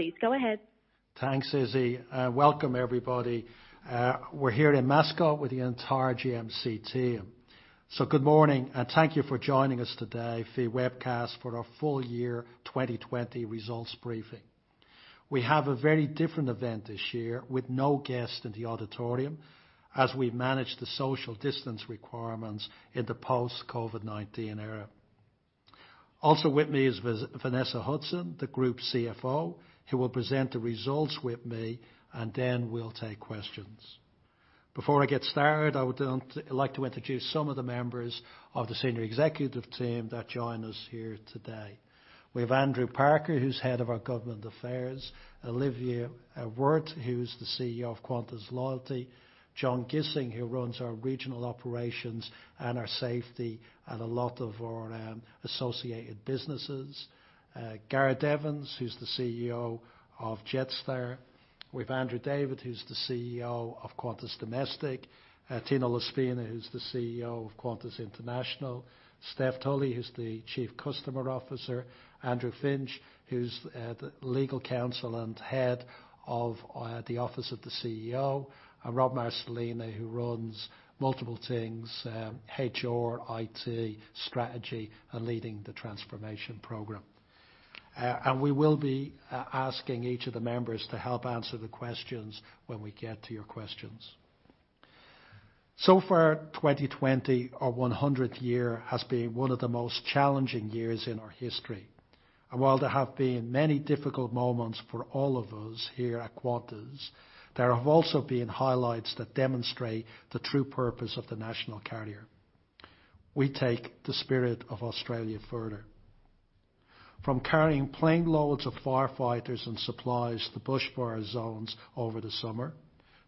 Sorry? Please go ahead. Thanks, Izzy. Welcome, everybody. We're here in Mascot with the entire GMC team. So good morning, and thank you for joining us today for your webcast for our full-year 2020 results briefing. We have a very different event this year with no guests in the auditorium as we manage the social distance requirements in the post-COVID-19 era. Also with me is Vanessa Hudson, the Group CFO, who will present the results with me, and then we'll take questions. Before I get started, I would like to introduce some of the members of the senior executive team that join us here today. We have Andrew Parker, who's head of our government affairs, Olivia Wirth, who's the CEO of Qantas Loyalty, John Gissing, who runs our regional operations and our safety and a lot of our associated businesses, Gareth Evans, who's the CEO of Jetstar, we have Andrew David, who's the CEO of Qantas Domestic, Tino La Spina, who's the CEO of Qantas International, Steph Tully, who's the Chief Customer Officer, Andrew Finch, who's the legal counsel and head of the office of the CEO, and Rob Marcolina, who runs multiple things: HR, IT, strategy, and leading the transformation program. And we will be asking each of the members to help answer the questions when we get to your questions. So far, 2020, our 100th year, has been one of the most challenging years in our history. While there have been many difficult moments for all of us here at Qantas, there have also been highlights that demonstrate the true purpose of the national carrier. We take the Spirit of Australia further. From carrying plane loads of firefighters and supplies to the bushfire zones over the summer,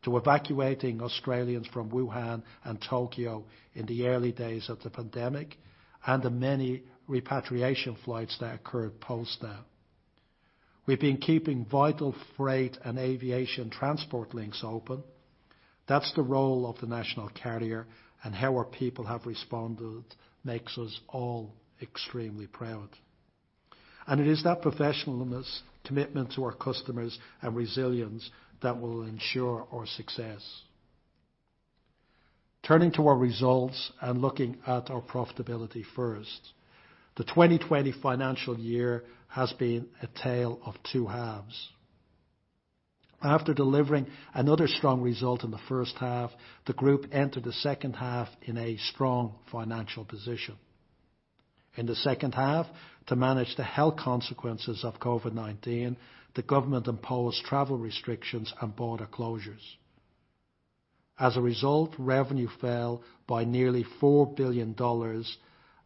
to evacuating Australians from Wuhan and Tokyo in the early days of the pandemic, and the many repatriation flights that occurred post that. We've been keeping vital freight and aviation transport links open. That's the role of the national carrier, and how our people have responded makes us all extremely proud. It is that professionalism, commitment to our customers, and resilience that will ensure our success. Turning to our results and looking at our profitability first, the 2020 financial year has been a tale of two halves. After delivering another strong result in the first half, the group entered the second half in a strong financial position. In the second half, to manage the health consequences of COVID-19, the government imposed travel restrictions and border closures. As a result, revenue fell by nearly AUD 4 billion,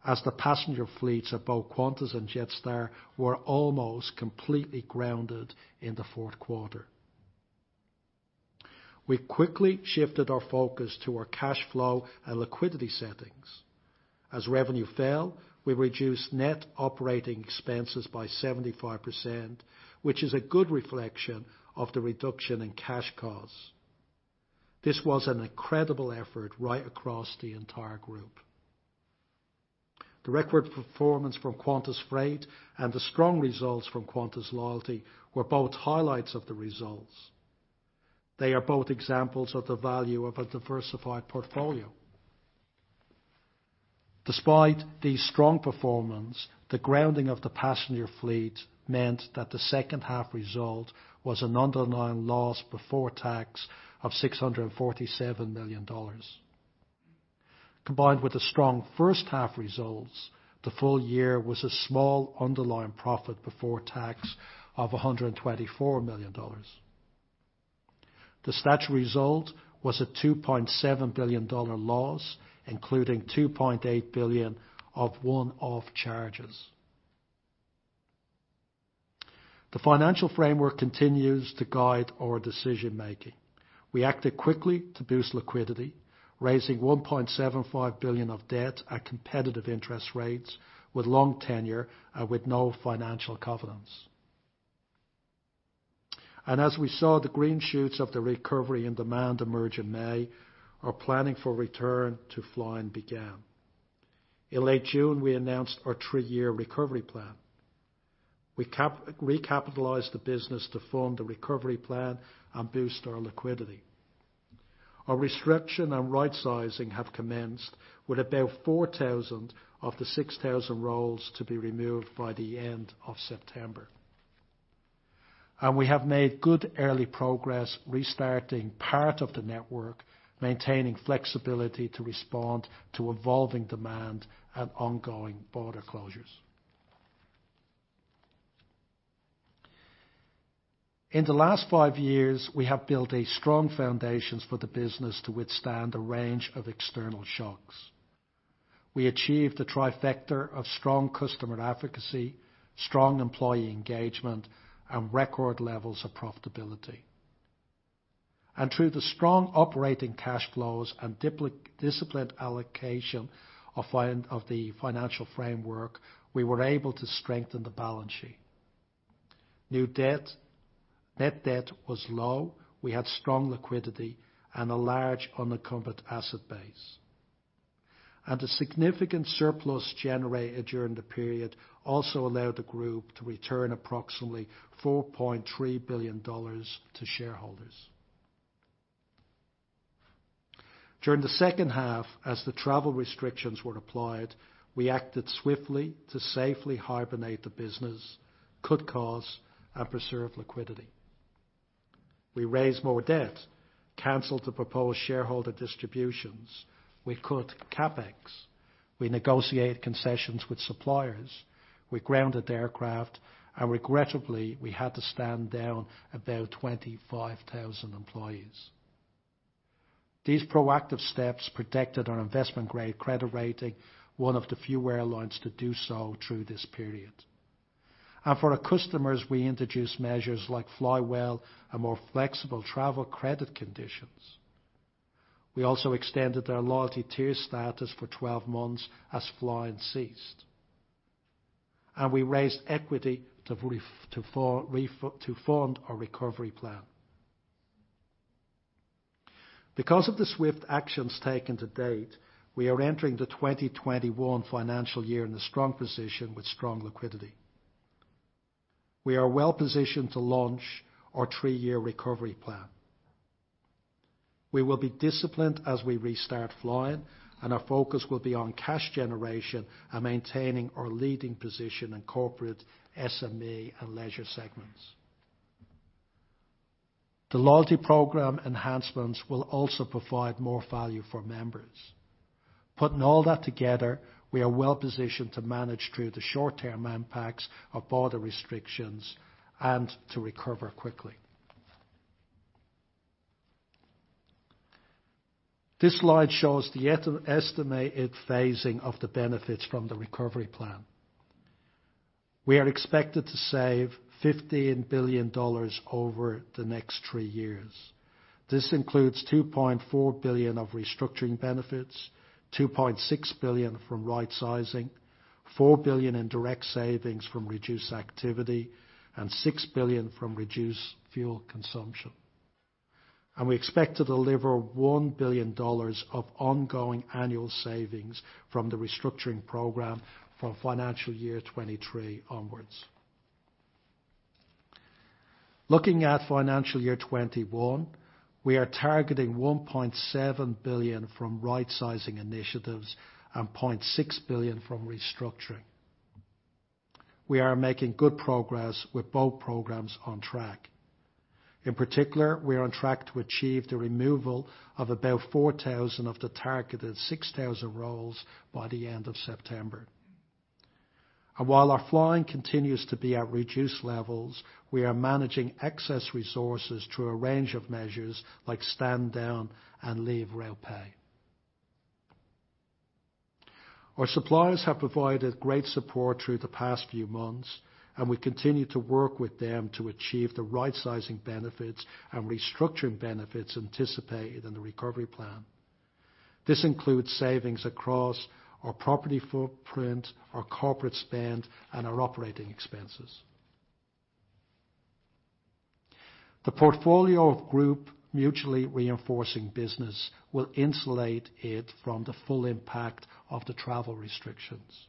as the passenger fleets of both Qantas and Jetstar were almost completely grounded in the fourth quarter. We quickly shifted our focus to our cash flow and liquidity settings. As revenue fell, we reduced net operating expenses by 75%, which is a good reflection of the reduction in cash costs. This was an incredible effort right across the entire group. The record performance from Qantas Freight and the strong results from Qantas Loyalty were both highlights of the results. They are both examples of the value of a diversified portfolio. Despite these strong performances, the grounding of the passenger fleet meant that the second half result was an underlying loss before tax of 647 million dollars. Combined with the strong first half results, the full year was a small underlying profit before tax of AUD124 million. The statutory result was a 2.7 billion dollar loss, including 2.8 billion of one-off charges. The financial framework continues to guide our decision-making. We acted quickly to boost liquidity, raising 1.75 billion of debt at competitive interest rates with long tenure and with no financial covenants, and as we saw the green shoots of the recovery in demand emerge in May, our planning for return to flying began. In late June, we announced our three-year recovery plan. We recapitalized the business to fund the recovery plan and boost our liquidity. Our restructuring and rightsizing have commenced, with about 4,000 of the 6,000 roles to be removed by the end of September, and we have made good early progress restarting part of the network, maintaining flexibility to respond to evolving demand and ongoing border closures. In the last five years, we have built a strong foundation for the business to withstand a range of external shocks. We achieved the trifecta of strong customer advocacy, strong employee engagement, and record levels of profitability, and through the strong operating cash flows and disciplined allocation of the financial framework, we were able to strengthen the balance sheet. Net debt was low, we had strong liquidity, and a large unencumbered asset base, and the significant surplus generated during the period also allowed the group to return approximately 4.3 billion dollars to shareholders. During the second half, as the travel restrictions were applied, we acted swiftly to safely hibernate the business, cut costs, and preserve liquidity. We raised more debt, canceled the proposed shareholder distributions, we cut CapEx, we negotiated concessions with suppliers, we grounded the aircraft, and regrettably, we had to stand down about 25,000 employees. These proactive steps protected our investment-grade credit rating, one of the few airlines to do so through this period, and for our customers, we introduced measures like Fly Well and more flexible travel credit conditions. We also extended our loyalty tier status for 12 months as Fly Well ceased, and we raised equity to fund our recovery plan. Because of the swift actions taken to date, we are entering the 2021 financial year in a strong position with strong liquidity. We are well positioned to launch our three-year recovery plan. We will be disciplined as we restart flying, and our focus will be on cash generation and maintaining our leading position in corporate SME and leisure segments. The loyalty program enhancements will also provide more value for members. Putting all that together, we are well positioned to manage through the short-term impacts of border restrictions and to recover quickly. This slide shows the estimated phasing of the benefits from the recovery plan. We are expected to save 15 billion dollars over the next three years. This includes 2.4 billion of restructuring benefits, 2.6 billion from rightsizing, 4 billion in direct savings from reduced activity, and 6 billion from reduced fuel consumption. And we expect to deliver 1 billion dollars of ongoing annual savings from the restructuring program from financial year 2023 onwards. Looking at financial year 2021, we are targeting 1.7 billion from rightsizing initiatives and 0.6 billion from restructuring. We are making good progress with both programs on track. In particular, we are on track to achieve the removal of about 4,000 of the targeted 6,000 roles by the end of September, and while our flying continues to be at reduced levels, we are managing excess resources through a range of measures like stand down and leave real pay. Our suppliers have provided great support through the past few months, and we continue to work with them to achieve the rightsizing benefits and restructuring benefits anticipated in the recovery plan. This includes savings across our property footprint, our corporate spend, and our operating expenses. The portfolio of group mutually reinforcing business will insulate it from the full impact of the travel restrictions.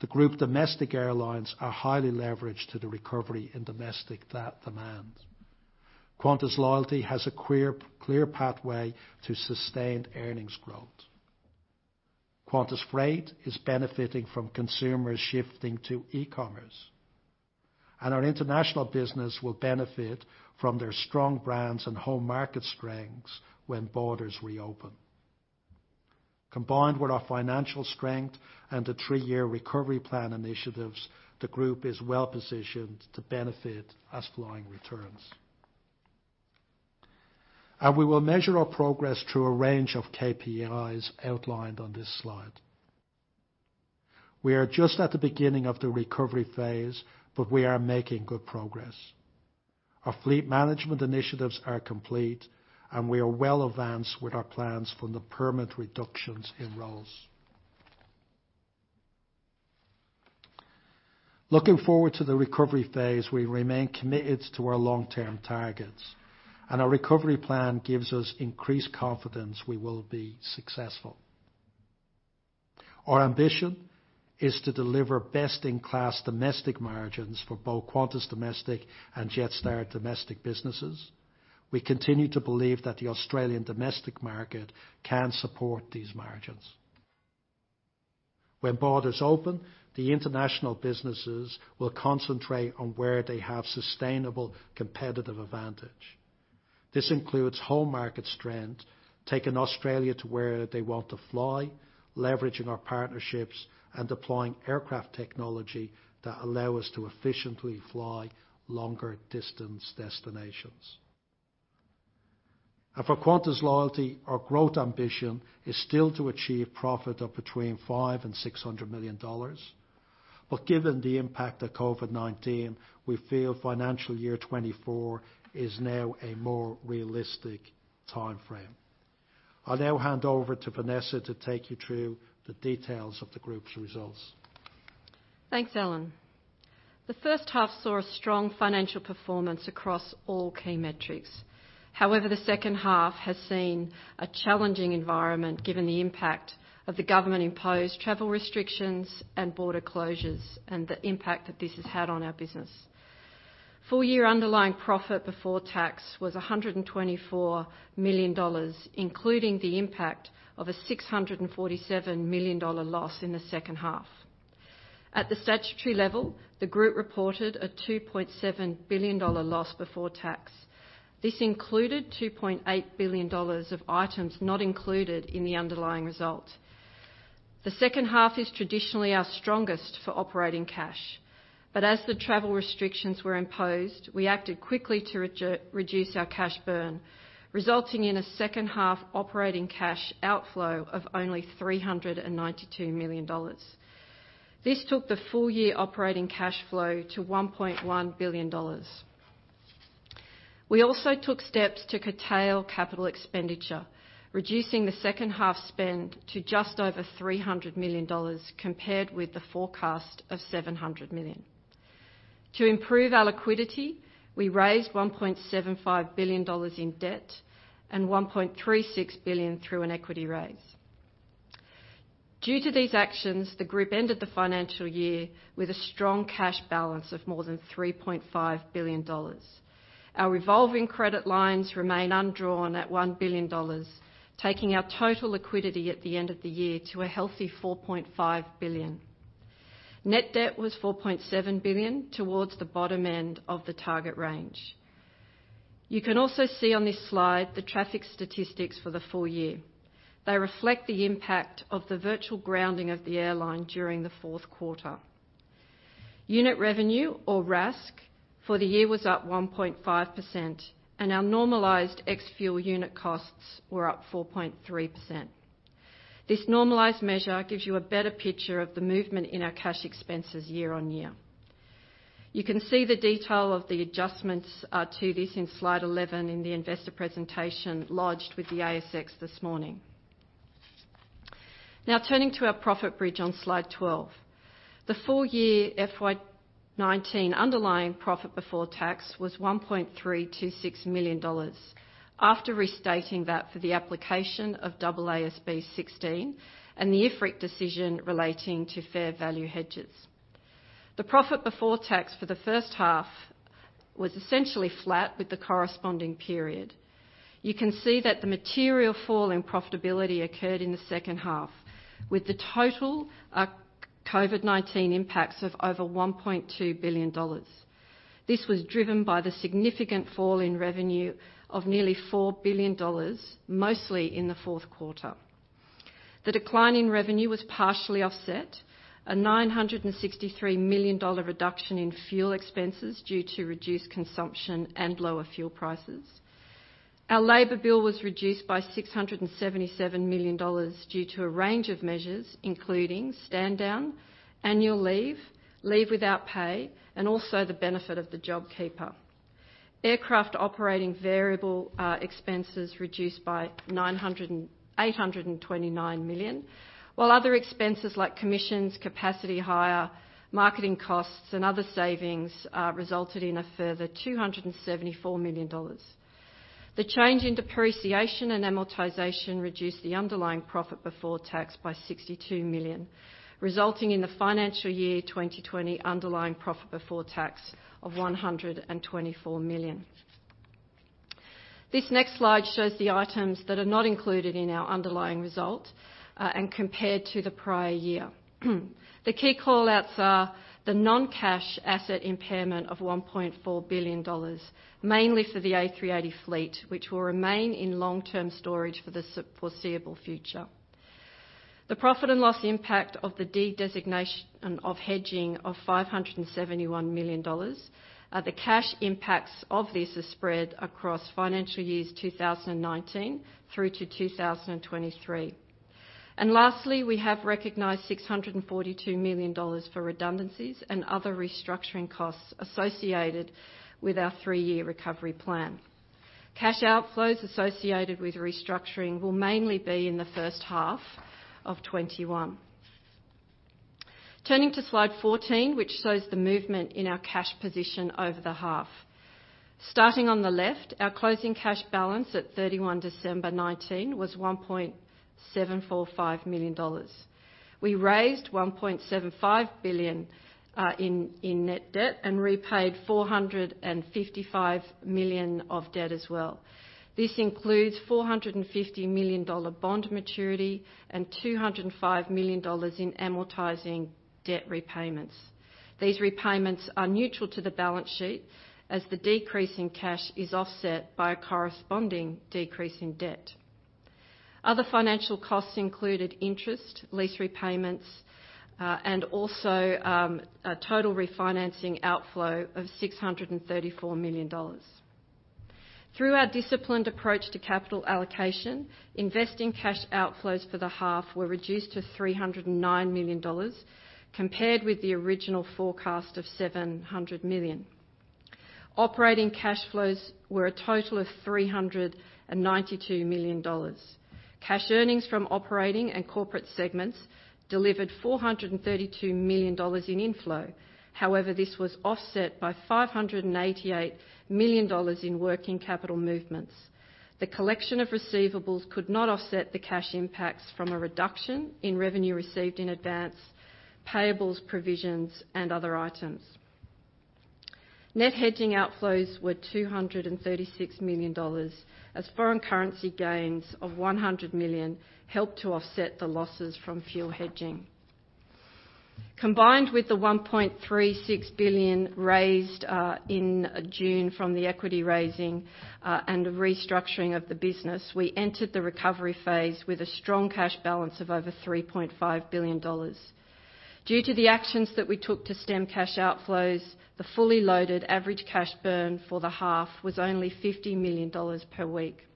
The group domestic airlines are highly leveraged to the recovery in domestic demand. Qantas Loyalty has a clear pathway to sustained earnings growth. Qantas Freight is benefiting from consumers shifting to e-commerce, and our international business will benefit from their strong brands and home market strengths when borders reopen. Combined with our financial strength and the three-year recovery plan initiatives, the group is well positioned to benefit as flying returns, and we will measure our progress through a range of KPIs outlined on this slide. We are just at the beginning of the recovery phase, but we are making good progress. Our fleet management initiatives are complete, and we are well advanced with our plans for the permanent reductions in roles. Looking forward to the recovery phase, we remain committed to our long-term targets, and our recovery plan gives us increased confidence we will be successful. Our ambition is to deliver best-in-class domestic margins for both Qantas Domestic and Jetstar domestic businesses. We continue to believe that the Australian domestic market can support these margins. When borders open, the international businesses will concentrate on where they have sustainable competitive advantage. This includes home market strength, taking Australia to where they want to fly, leveraging our partnerships, and deploying aircraft technology that allow us to efficiently fly longer distance destinations. And for Qantas Loyalty, our growth ambition is still to achieve profit of between 5 and 600 million dollars. But given the impact of COVID-19, we feel financial year 2024 is now a more realistic timeframe. I'll now hand over to Vanessa to take you through the details of the group's results. Thanks, Alan. The first half saw a strong financial performance across all key metrics. However, the second half has seen a challenging environment given the impact of the government-imposed travel restrictions and border closures and the impact that this has had on our business. Full-year underlying profit before tax was 124 million dollars, including the impact of a 647 million dollar loss in the second half. At the statutory level, the group reported a 2.7 billion dollar loss before tax. This included 2.8 billion dollars of items not included in the underlying result. The second half is traditionally our strongest for operating cash. But as the travel restrictions were imposed, we acted quickly to reduce our cash burn, resulting in a second half operating cash outflow of only AUD 392 million. This took the full-year operating cash flow to 1.1 billion dollars. We also took steps to curtail capital expenditure, reducing the second half spend to just over 300 million dollars compared with the forecast of 700 million. To improve our liquidity, we raised 1.75 billion dollars in debt and 1.36 billion through an equity raise. Due to these actions, the group ended the financial year with a strong cash balance of more than 3.5 billion dollars. Our revolving credit lines remain undrawn at 1 billion dollars, taking our total liquidity at the end of the year to a healthy 4.5 billion. Net debt was 4.7 billion towards the bottom end of the target range. You can also see on this slide the traffic statistics for the full year. They reflect the impact of the virtual grounding of the airline during the fourth quarter. Unit revenue, or RASK, for the year was up 1.5%, and our normalized ex-fuel unit costs were up 4.3%. This normalized measure gives you a better picture of the movement in our cash expenses year on year. You can see the detail of the adjustments to this in slide 11 in the investor presentation lodged with the ASX this morning. Now turning to our profit bridge on slide 12. The full-year FY19 underlying profit before tax was 1.326 million dollars after restating that for the application of AASB 16 and the IFRIC decision relating to fair value hedges. The profit before tax for the first half was essentially flat with the corresponding period. You can see that the material fall in profitability occurred in the second half, with the total COVID-19 impacts of over 1.2 billion dollars. This was driven by the significant fall in revenue of nearly 4 billion dollars, mostly in the fourth quarter. The decline in revenue was partially offset, a AUD 963 million reduction in fuel expenses due to reduced consumption and lower fuel prices. Our labor bill was reduced by 677 million dollars due to a range of measures, including stand down, annual leave, leave without pay, and also the benefit of the JobKeeper. Aircraft operating variable expenses reduced by 829 million, while other expenses like commissions, capacity hire, marketing costs, and other savings resulted in a further 274 million dollars. The change in depreciation and amortization reduced the underlying profit before tax by 62 million, resulting in the financial year 2020 underlying profit before tax of 124 million. This next slide shows the items that are not included in our underlying result and compared to the prior year. The key callouts are the non-cash asset impairment of 1.4 billion dollars, mainly for the A380 fleet, which will remain in long-term storage for the foreseeable future. The profit and loss impact of the de-designation of hedging of 571 million dollars. The cash impacts of this are spread across financial years 2019 through to 2023. And lastly, we have recognized 642 million dollars for redundancies and other restructuring costs associated with our three-year recovery plan. Cash outflows associated with restructuring will mainly be in the first half of 2021. Turning to slide 14, which shows the movement in our cash position over the half. Starting on the left, our closing cash balance at 31 December 2019 was 1.745 million dollars. We raised 1.75 billion in net debt and repaid 455 million of debt as well. This includes 450 million dollar bond maturity and 205 million dollars in amortizing debt repayments. These repayments are neutral to the balance sheet as the decrease in cash is offset by a corresponding decrease in debt. Other financial costs included interest, lease repayments, and also total refinancing outflow of 634 million dollars. Through our disciplined approach to capital allocation, investing cash outflows for the half were reduced to 309 million dollars compared with the original forecast of 700 million. Operating cash flows were a total of 392 million dollars. Cash earnings from operating and corporate segments delivered 432 million dollars in inflow. However, this was offset by 588 million dollars in working capital movements. The collection of receivables could not offset the cash impacts from a reduction in revenue received in advance, payables provisions, and other items. Net hedging outflows were 236 million dollars as foreign currency gains of 100 million helped to offset the losses from fuel hedging. Combined with the 1.36 billion raised in June from the equity raising and restructuring of the business, we entered the recovery phase with a strong cash balance of over 3.5 billion dollars. Due to the actions that we took to stem cash outflows, the fully loaded average cash burn for the half was only AUD 15 million per week.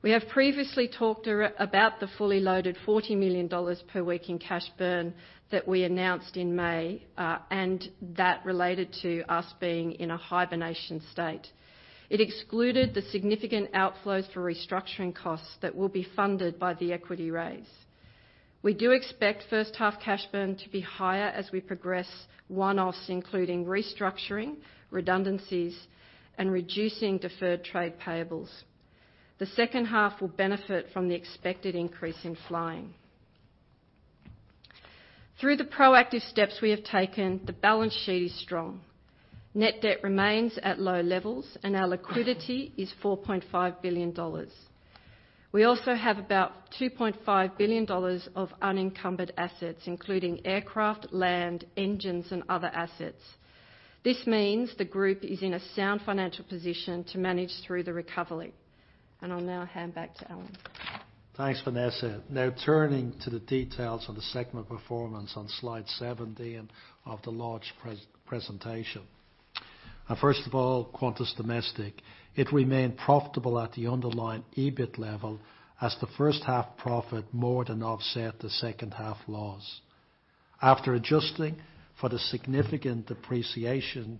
We have previously talked about the fully loaded 40 million dollars per week in cash burn that we announced in May, and that related to us being in a hibernation state. It excluded the significant outflows for restructuring costs that will be funded by the equity raise. We do expect first half cash burn to be higher as we progress one-offs, including restructuring, redundancies, and reducing deferred trade payables. The second half will benefit from the expected increase in flying. Through the proactive steps we have taken, the balance sheet is strong. Net debt remains at low levels, and our liquidity is 4.5 billion dollars. We also have about 2.5 billion dollars of unencumbered assets, including aircraft, land, engines, and other assets. This means the group is in a sound financial position to manage through the recovery, and I'll now hand back to Alan. Thanks, Vanessa. Now turning to the details of the segment performance on slide 17 of the large presentation. First of all, Qantas Domestic, it remained profitable at the underlying EBIT level as the first half profit more than offset the second half loss. After adjusting for the significant depreciation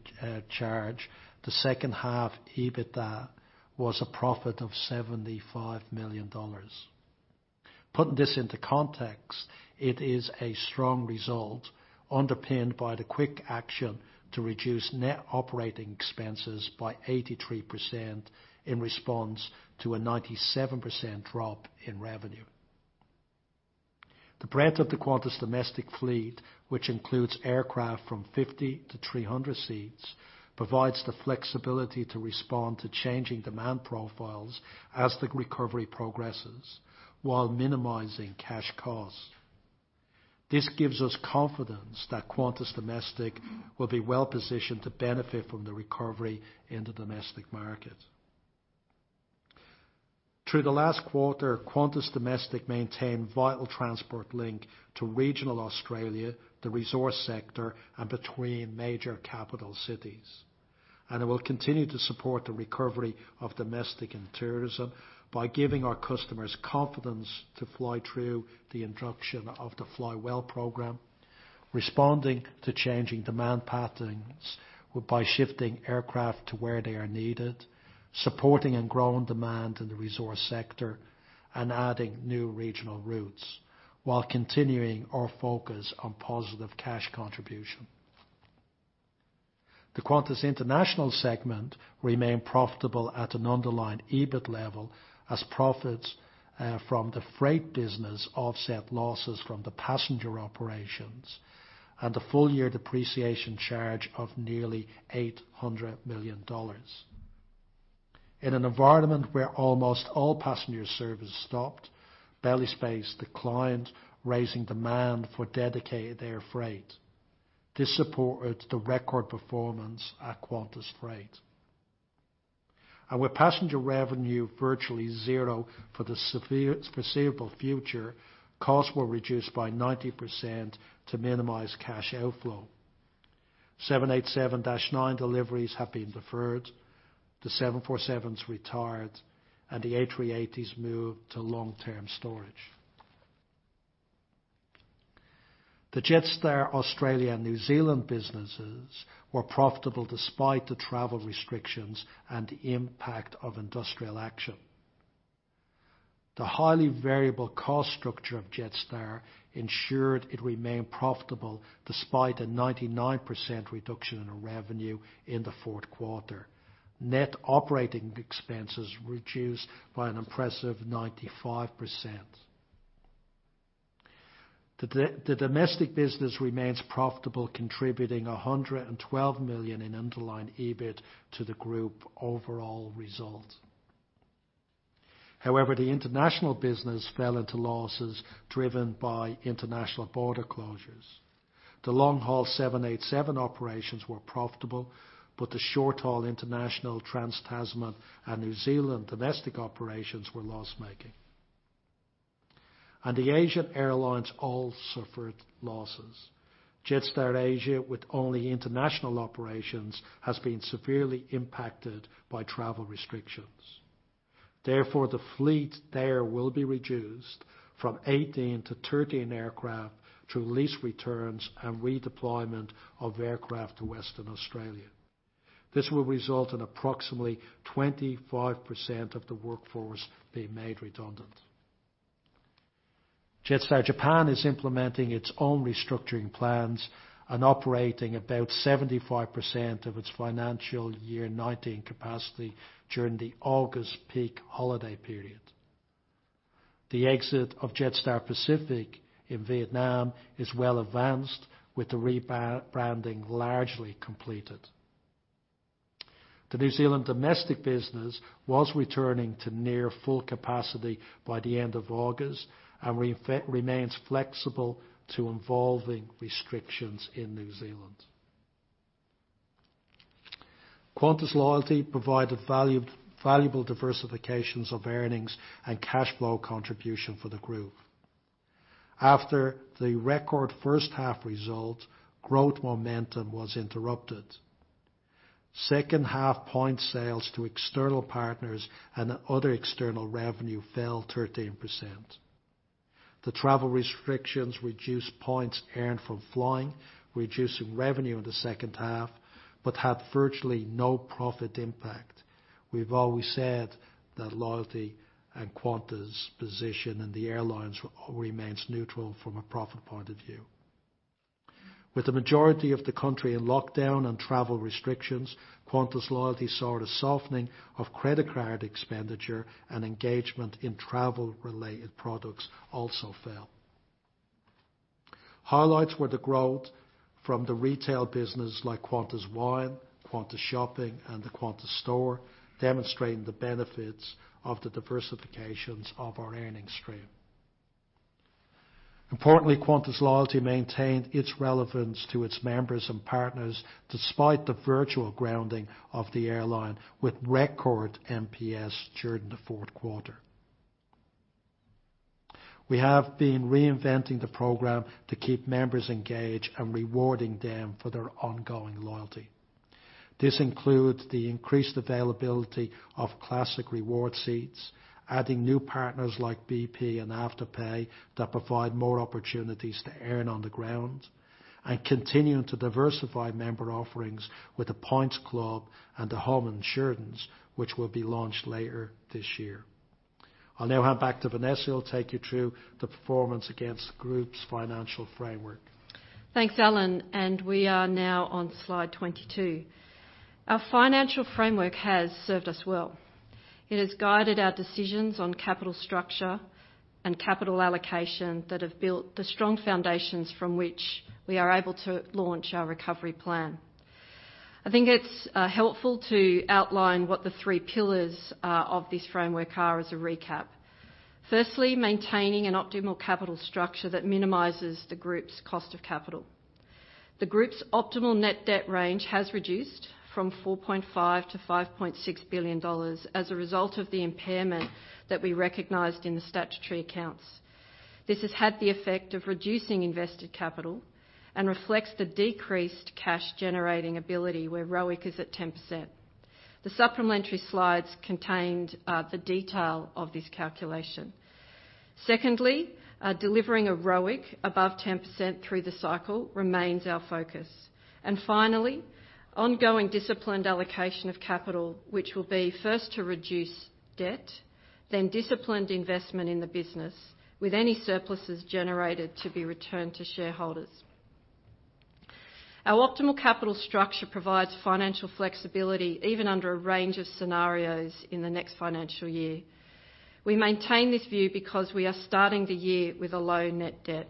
charge, the second half EBITDA was a profit of 75 million dollars. Putting this into context, it is a strong result underpinned by the quick action to reduce net operating expenses by 83% in response to a 97% drop in revenue. The breadth of the Qantas Domestic fleet, which includes aircraft from 50 to 300 seats, provides the flexibility to respond to changing demand profiles as the recovery progresses while minimizing cash costs. This gives us confidence that Qantas Domestic will be well positioned to benefit from the recovery in the domestic market. Through the last quarter, Qantas Domestic maintained vital transport link to regional Australia, the resource sector, and between major capital cities, and it will continue to support the recovery of domestic and tourism by giving our customers confidence to fly through the induction of the Fly Well program, responding to changing demand patterns by shifting aircraft to where they are needed, supporting and growing demand in the resource sector, and adding new regional routes while continuing our focus on positive cash contribution. The Qantas International segment remained profitable at an underlying EBIT level as profits from the freight business offset losses from the passenger operations and the full-year depreciation charge of nearly 800 million dollars. In an environment where almost all passenger service stopped, belly space declined, raising demand for dedicated air freight. This supported the record performance at Qantas Freight. And with passenger revenue virtually zero for the foreseeable future, costs were reduced by 90% to minimize cash outflow. 787-9 deliveries have been deferred, the 747s retired, and the A380s moved to long-term storage. The Jetstar Australia and New Zealand businesses were profitable despite the travel restrictions and the impact of industrial action. The highly variable cost structure of Jetstar ensured it remained profitable despite a 99% reduction in revenue in the fourth quarter. Net operating expenses reduced by an impressive 95%. The domestic business remains profitable, contributing 112 million in underlying EBIT to the group overall result. However, the international business fell into losses driven by international border closures. The long-haul 787 operations were profitable, but the short-haul international trans-Tasman and New Zealand domestic operations were loss-making, and the Asian airlines all suffered losses. Jetstar Asia, with only international operations, has been severely impacted by travel restrictions. Therefore, the fleet there will be reduced from 18 to 13 aircraft through lease returns and redeployment of aircraft to Western Australia. This will result in approximately 25% of the workforce being made redundant. Jetstar Japan is implementing its own restructuring plans and operating about 75% of its financial year 2019 capacity during the August peak holiday period. The exit of Jetstar Pacific in Vietnam is well advanced, with the rebranding largely completed. The New Zealand domestic business was returning to near full capacity by the end of August and remains flexible to evolving restrictions in New Zealand. Qantas Loyalty provided valuable diversifications of earnings and cash flow contribution for the group. After the record first half result, growth momentum was interrupted. Second half points sales to external partners and other external revenue fell 13%. The travel restrictions reduced points earned from flying, reducing revenue in the second half, but had virtually no profit impact. We've always said that loyalty and Qantas' position in the airlines remains neutral from a profit point of view. With the majority of the country in lockdown and travel restrictions, Qantas Loyalty saw a softening of credit card expenditure, and engagement in travel-related products also fell. Highlights were the growth from the retail business like Qantas Wine, Qantas Shopping, and the Qantas Store, demonstrating the benefits of the diversifications of our earnings stream. Importantly, Qantas Loyalty maintained its relevance to its members and partners despite the virtual grounding of the airline with record during the fourth quarter. We have been reinventing the program to keep members engaged and rewarding them for their ongoing loyalty. This includes the increased availability of Classic Reward seats, adding new partners like BP and Afterpay that provide more opportunities to earn on the ground, and continuing to diversify member offerings with the Points Club and the Home Insurance, which will be launched later this year. I'll now hand back to Vanessa. I'll take you through the performance against the group's financial framework. Thanks, Alan. And we are now on slide 22. Our financial framework has served us well. It has guided our decisions on capital structure and capital allocation that have built the strong foundations from which we are able to launch our recovery plan. I think it's helpful to outline what the three pillars of this framework are as a recap. Firstly, maintaining an optimal capital structure that minimizes the group's cost of capital. The group's optimal net debt range has reduced from 4.5 billion-5.6 billion dollars as a result of the impairment that we recognized in the statutory accounts. This has had the effect of reducing invested capital and reflects the decreased cash-generating ability where ROIC is at 10%. The supplementary slides contained the detail of this calculation. Secondly, delivering a ROIC above 10% through the cycle remains our focus. and finally, ongoing disciplined allocation of capital, which will be first to reduce debt, then disciplined investment in the business with any surpluses generated to be returned to shareholders. Our optimal capital structure provides financial flexibility even under a range of scenarios in the next financial year. We maintain this view because we are starting the year with a low net debt.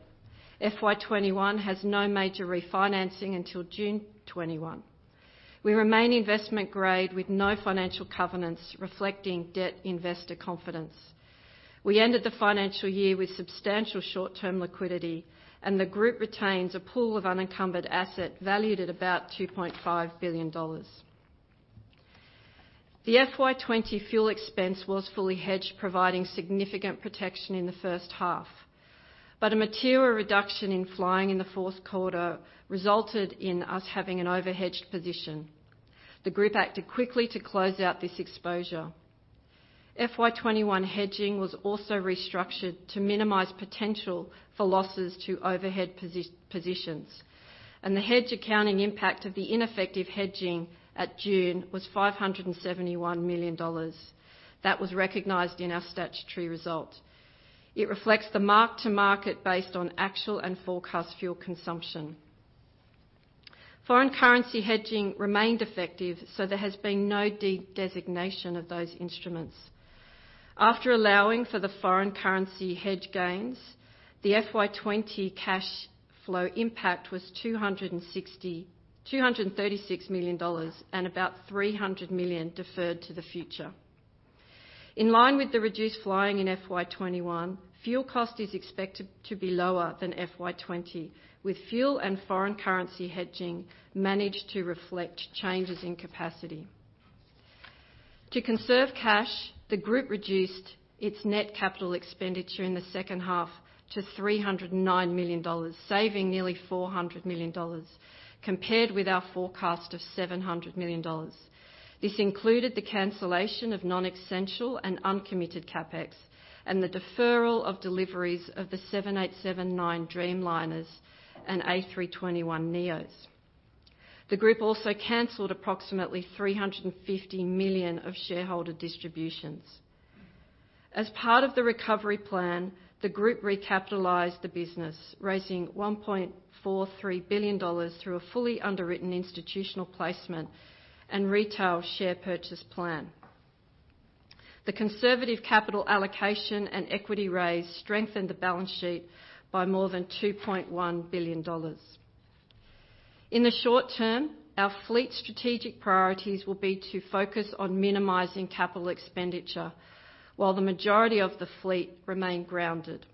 FY21 has no major refinancing until June 21. We remain investment-grade with no financial covenants reflecting debt investor confidence. We ended the financial year with substantial short-term liquidity, and the group retains a pool of unencumbered asset valued at about 2.5 billion dollars. The FY20 fuel expense was fully hedged, providing significant protection in the first half, but a material reduction in flying in the fourth quarter resulted in us having an overhedged position. The group acted quickly to close out this exposure. FY21 hedging was also restructured to minimize potential for losses to overhead positions, and the hedge accounting impact of the ineffective hedging at June was 571 million dollars. That was recognized in our statutory result. It reflects the mark-to-market based on actual and forecast fuel consumption. Foreign currency hedging remained effective, so there has been no de-designation of those instruments. After allowing for the foreign currency hedge gains, the FY20 cash flow impact was 236 million dollars and about 300 million deferred to the future. In line with the reduced flying in FY21, fuel cost is expected to be lower than FY20, with fuel and foreign currency hedging managed to reflect changes in capacity. To conserve cash, the group reduced its net capital expenditure in the second half to 309 million dollars, saving nearly 400 million dollars compared with our forecast of 700 million dollars. This included the cancellation of non-essential and uncommitted CapEx and the deferral of deliveries of the 787-9 Dreamliners and A321neos. The group also canceled approximately 350 million of shareholder distributions. As part of the recovery plan, the group recapitalized the business, raising AUD 1.43 billion through a fully underwritten institutional placement and retail share purchase plan. The conservative capital allocation and equity raise strengthened the balance sheet by more than 2.1 billion dollars. In the short term, our fleet strategic priorities will be to focus on minimizing capital expenditure while the majority of the fleet remain grounded.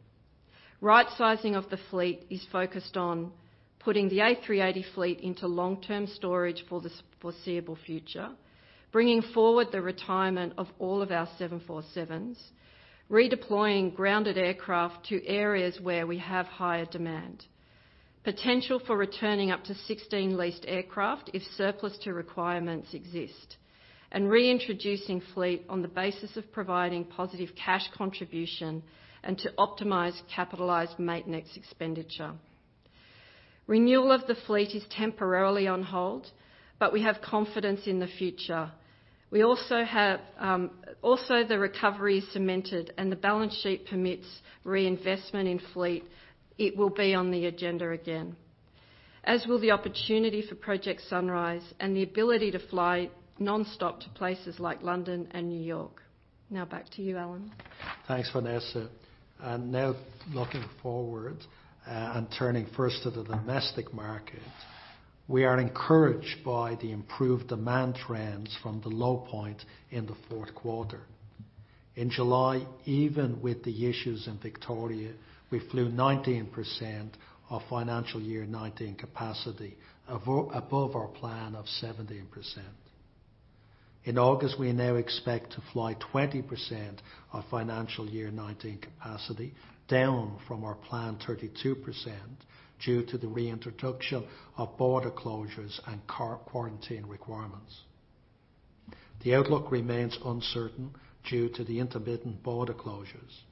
Right-sizing of the fleet is focused on putting the A380 fleet into long-term storage for the foreseeable future, bringing forward the retirement of all of our 747s, redeploying grounded aircraft to areas where we have higher demand, potential for returning up to 16 leased aircraft if surplus to requirements exist, and reintroducing fleet on the basis of providing positive cash contribution and to optimize capitalized maintenance expenditure. Renewal of the fleet is temporarily on hold, but we have confidence in the future. Also, the recovery is cemented, and the balance sheet permits reinvestment in fleet. It will be on the agenda again, as will the opportunity for Project Sunrise and the ability to fly non-stop to places like London and New York. Now back to you, Alan. Thanks, Vanessa, and now looking forward and turning first to the domestic market, we are encouraged by the improved demand trends from the low point in the fourth quarter. In July, even with the issues in Victoria, we flew 19% of financial year 2019 capacity above our plan of 17%. In August, we now expect to fly 20% of financial year 2019 capacity down from our planned 32% due to the reintroduction of border closures and quarantine requirements. The outlook remains uncertain due to the intermittent border closures,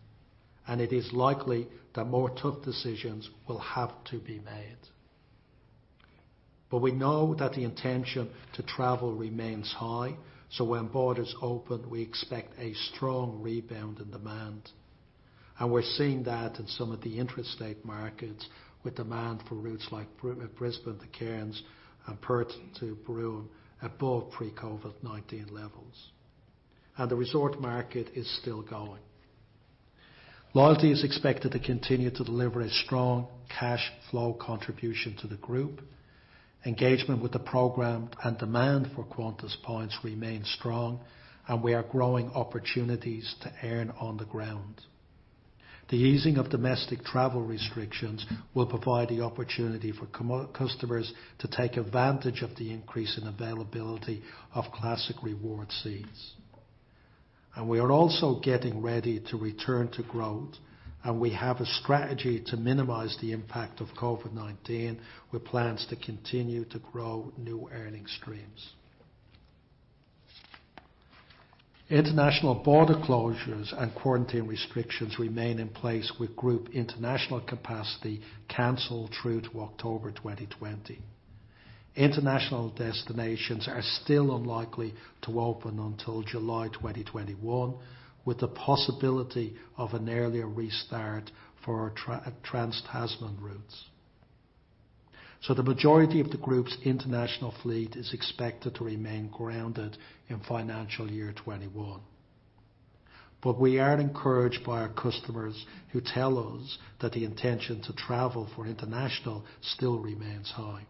and it is likely that more tough decisions will have to be made. But we know that the intention to travel remains high, so when borders open, we expect a strong rebound in demand. And we're seeing that in some of the intrastate markets with demand for routes like Brisbane to Cairns and Perth to Broome above pre-COVID-19 levels. And the resort market is still going. Loyalty is expected to continue to deliver a strong cash flow contribution to the group. Engagement with the program and demand for Qantas points remain strong, and we are growing opportunities to earn on the ground. The easing of domestic travel restrictions will provide the opportunity for customers to take advantage of the increase in availability of Classic Reward seats. And we are also getting ready to return to growth, and we have a strategy to minimize the impact of COVID-19 with plans to continue to grow new earnings streams. International border closures and quarantine restrictions remain in place with group international capacity canceled through to October 2020. International destinations are still unlikely to open until July 2021, with the possibility of an earlier restart for our Trans-Tasman routes. So the majority of the group's international fleet is expected to remain grounded in financial year 2021. But we are encouraged by our customers who tell us that the intention to travel for international still remains high.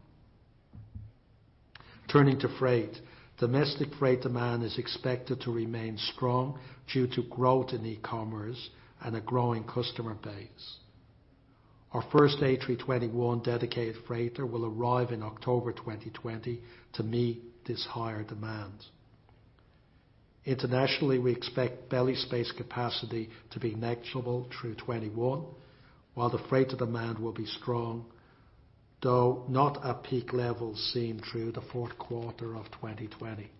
Turning to freight, domestic freight demand is expected to remain strong due to growth in e-commerce and a growing customer base. Our first A321 dedicated freighter will arrive in October 2020 to meet this higher demand. Internationally, we expect belly space capacity to be negligible through 2021, while the freighter demand will be strong, though not at peak levels seen through the fourth quarter of 2020.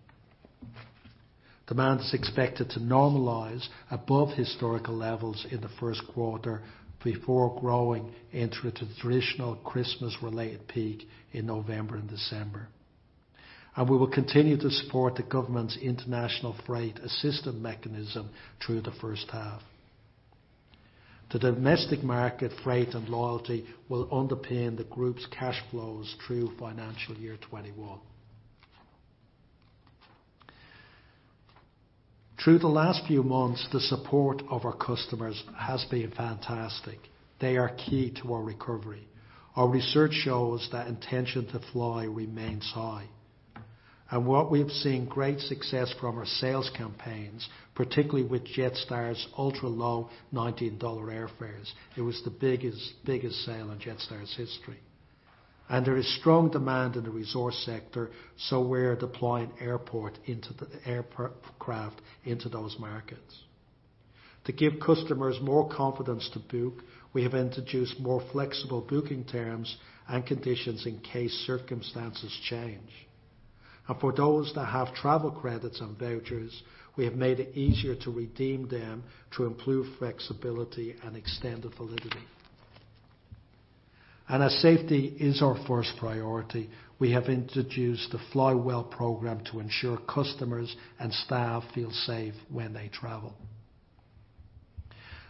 Demand is expected to normalize above historical levels in the first quarter before growing into a traditional Christmas-related peak in November and December. We will continue to support the government's International Freight Assistance Mechanism through the first half. The domestic market freight and loyalty will underpin the group's cash flows through financial year 2021. Through the last few months, the support of our customers has been fantastic. They are key to our recovery. Our research shows that intention to fly remains high. And while we have seen great success from our sales campaigns, particularly with Jetstar's ultra-low AUD 19 airfares, it was the biggest sale in Jetstar's history. And there is strong demand in the resource sector, so we are deploying aircraft into those markets. To give customers more confidence to book, we have introduced more flexible booking terms and conditions in case circumstances change. For those that have travel credits and vouchers, we have made it easier to redeem them to improve flexibility and extend the validity. As safety is our first priority, we have introduced the Fly Well program to ensure customers and staff feel safe when they travel.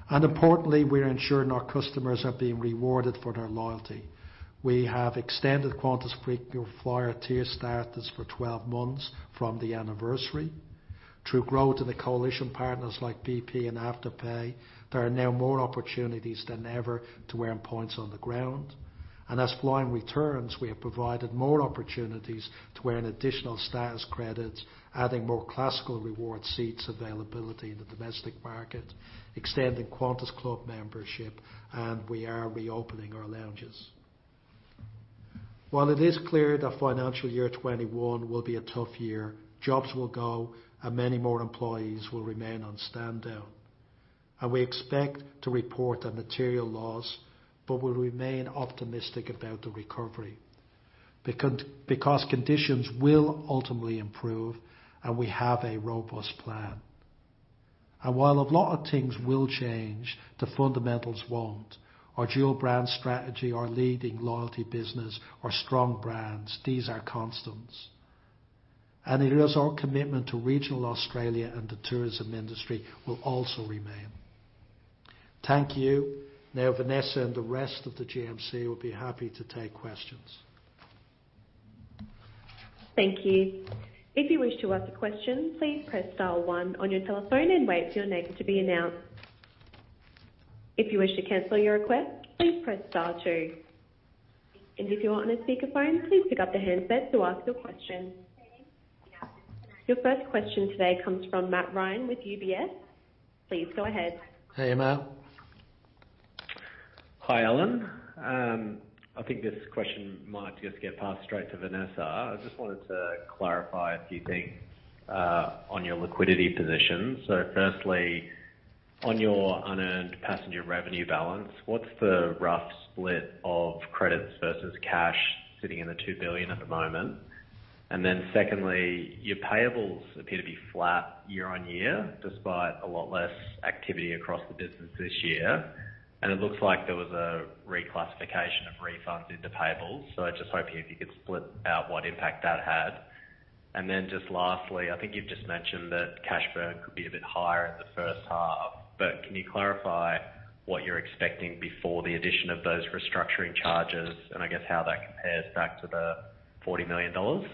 Importantly, we are ensuring our customers are being rewarded for their loyalty. We have extended Qantas Frequent Flyer tier statuses for 12 months from the anniversary. Through growth in the coalition partners like BP and Afterpay, there are now more opportunities than ever to earn points on the ground. As flying returns, we have provided more opportunities to earn additional Status Credits, adding more Classic Reward seats availability in the domestic market, extending Qantas Club membership, and we are reopening our lounges. While it is clear that financial year 2021 will be a tough year, jobs will go, and many more employees will remain on stand down. And we expect to report on material loss, but we remain optimistic about the recovery because conditions will ultimately improve, and we have a robust plan. And while a lot of things will change, the fundamentals won't. Our dual-brand strategy, our leading loyalty business, our strong brands, these are constants. And it is our commitment to regional Australia and the tourism industry will also remain. Thank you. Now, Vanessa and the rest of the GMC will be happy to take questions. Thank you. If you wish to ask a question, please press star one on your telephone and wait for your name to be announced. If you wish to cancel your request, please press star two. And if you are on a speakerphone, please pick up the handset to ask your question. Your first question today comes from Matt Ryan with UBS. Please go ahead. Hey, Emma. Hi, Alan. I think this question might just get passed straight to Vanessa. I just wanted to clarify a few things on your liquidity position. So firstly, on your unearned passenger revenue balance, what's the rough split of credits versus cash sitting in the 2 billion at the moment? And then secondly, your payables appear to be flat year on year despite a lot less activity across the business this year. And it looks like there was a reclassification of refunds into payables. So I just hope if you could split out what impact that had? And then just lastly, I think you've just mentioned that cash burn could be a bit higher in the first half, but can you clarify what you're expecting before the addition of those restructuring charges and I guess how that compares back to the 40 million dollars?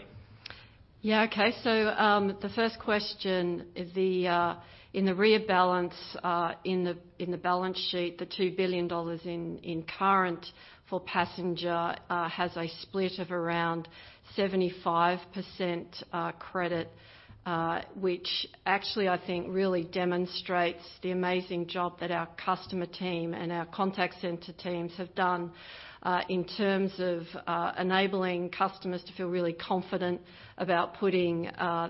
Yeah, okay. So the first question is in the rebalance in the balance sheet, the 2 billion dollars in current for passenger has a split of around 75% credit, which actually I think really demonstrates the amazing job that our customer team and our contact center teams have done in terms of enabling customers to feel really confident about putting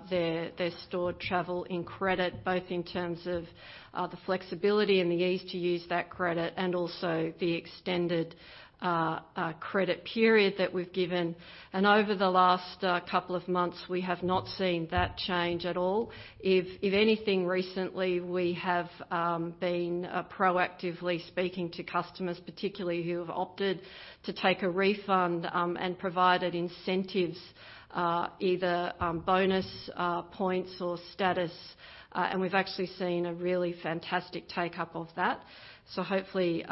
their stored travel in credit, both in terms of the flexibility and the ease to use that credit and also the extended credit period that we've given. And over the last couple of months, we have not seen that change at all. If anything, recently we have been proactively speaking to customers, particularly who have opted to take a refund and provided incentives, either bonus points or status. And we've actually seen a really fantastic take-up of that. So hopefully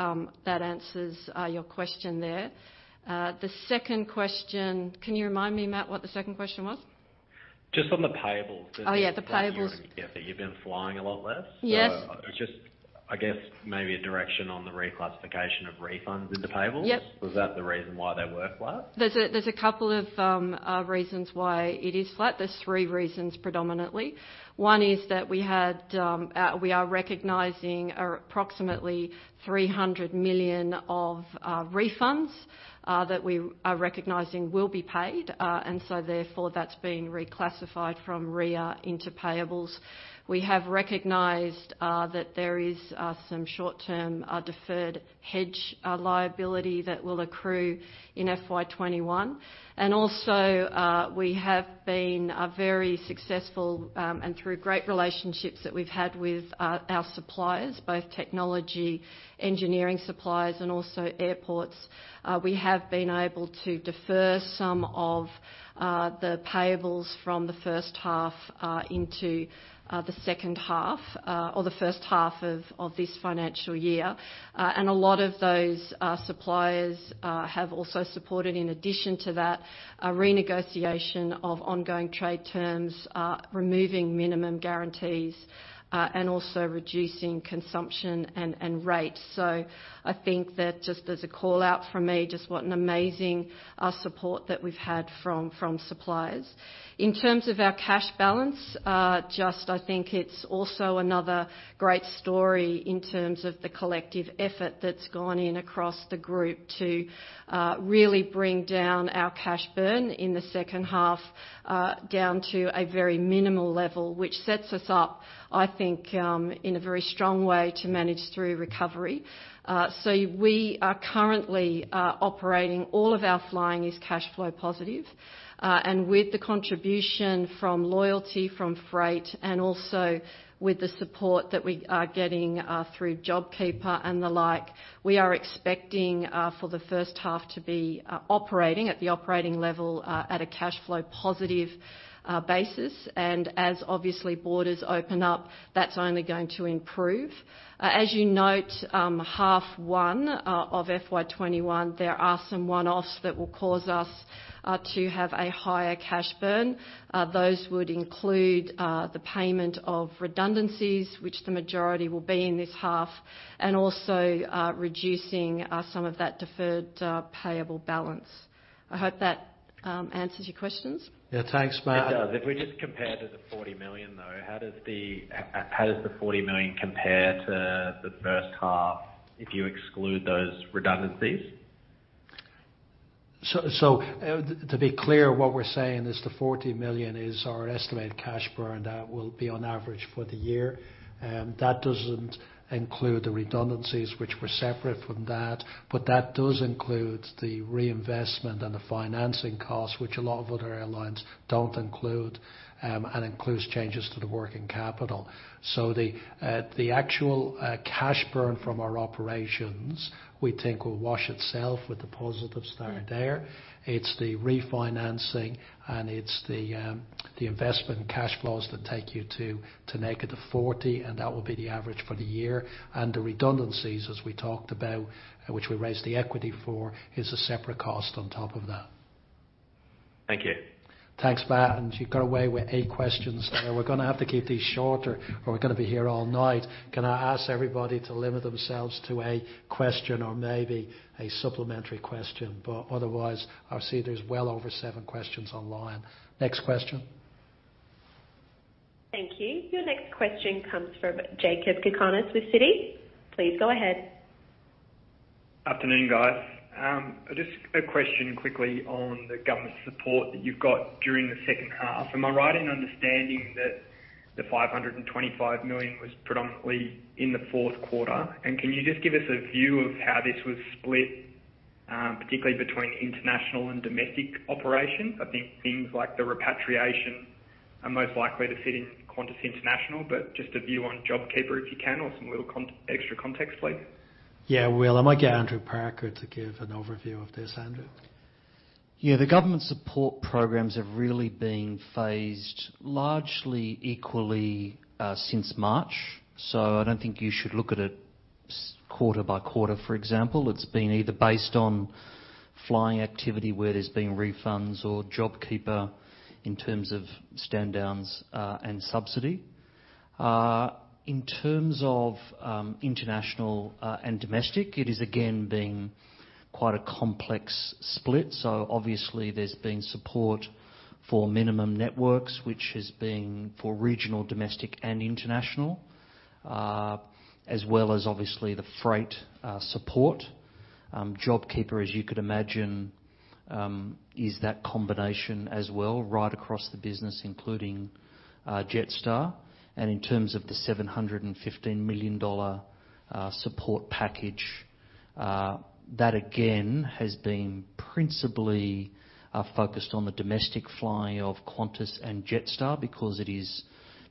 that answers your question there. The second question, can you remind me, Matt, what the second question was? Just on the payables. Oh, yeah, the payables. Yeah, that you've been flying a lot less. Yes. Or just, I guess, maybe a direction on the reclassification of refunds into payables. Yes. Was that the reason why they were flat? There's a couple of reasons why it is flat. There's three reasons predominantly. One is that we are recognizing approximately 300 million of refunds that we are recognizing will be paid. And so therefore, that's being reclassified from RIA into payables. We have recognized that there is some short-term deferred hedge liability that will accrue in FY21. And also, we have been very successful, and through great relationships that we've had with our suppliers, both technology engineering suppliers and also airports. We have been able to defer some of the payables from the first half into the second half or the first half of this financial year. And a lot of those suppliers have also supported, in addition to that, renegotiation of ongoing trade terms, removing minimum guarantees, and also reducing consumption and rates. So I think that just as a call-out from me, just what an amazing support that we've had from suppliers. In terms of our cash balance, just, I think, it's also another great story in terms of the collective effort that's gone in across the group to really bring down our cash burn in the second half down to a very minimal level, which sets us up, I think, in a very strong way to manage through recovery, so we are currently operating all of our flying is cash flow positive, and with the contribution from loyalty, from freight, and also with the support that we are getting through JobKeeper and the like, we are expecting for the first half to be operating at the operating level at a cash flow positive basis, and as obviously borders open up, that's only going to improve. As you note, half one of FY21, there are some one-offs that will cause us to have a higher cash burn. Those would include the payment of redundancies, which the majority will be in this half, and also reducing some of that deferred payable balance. I hope that answers your questions. Yeah, thanks, Matt. It does. If we just compare to the 40 million, though, how does the 40 million compare to the first half if you exclude those redundancies? So to be clear, what we're saying is the 40 million is our estimated cash burn that will be on average for the year. That doesn't include the redundancies, which were separate from that, but that does include the reinvestment and the financing costs, which a lot of other airlines don't include and includes changes to the working capital. So the actual cash burn from our operations, we think will wash itself with the positives that are there. It's the refinancing and it's the investment cash flows that take you to negative 40, and that will be the average for the year. And the redundancies, as we talked about, which we raised the equity for, is a separate cost on top of that. Thank you. Thanks, Matt. And you got away with eight questions there. We're going to have to keep these shorter or we're going to be here all night. Can I ask everybody to limit themselves to a question or maybe a supplementary question? But otherwise, I see there's well over seven questions online. Next question. Thank you. Your next question comes from Jakob Cakarnis with Citi. Please go ahead. Afternoon, guys. Just a question quickly on the government support that you've got during the second half. Am I right in understanding that the 525 million was predominantly in the Q4?And can you just give us a view of how this was split, particularly between international and domestic operations? I think things like the repatriation are most likely to sit in Qantas International, but just a view on JobKeeper if you can or some little extra context, please. Yeah, Will, I might get Andrew Parker to give an overview of this. Andrew? Yeah, the government support programs have really been phased largely equally since March. So I don't think you should look at it quarter by quarter, for example. It's been either based on flying activity where there's been refunds or JobKeeper in terms of stand downs and subsidy. In terms of international and domestic, it is again being quite a complex split. So obviously, there's been support for minimum networks, which has been for regional, domestic, and international, as well as obviously the freight support. JobKeeper, as you could imagine, is that combination as well, right across the business, including Jetstar, and in terms of the 715 million dollar support package, that again has been principally focused on the domestic flying of Qantas and Jetstar because it is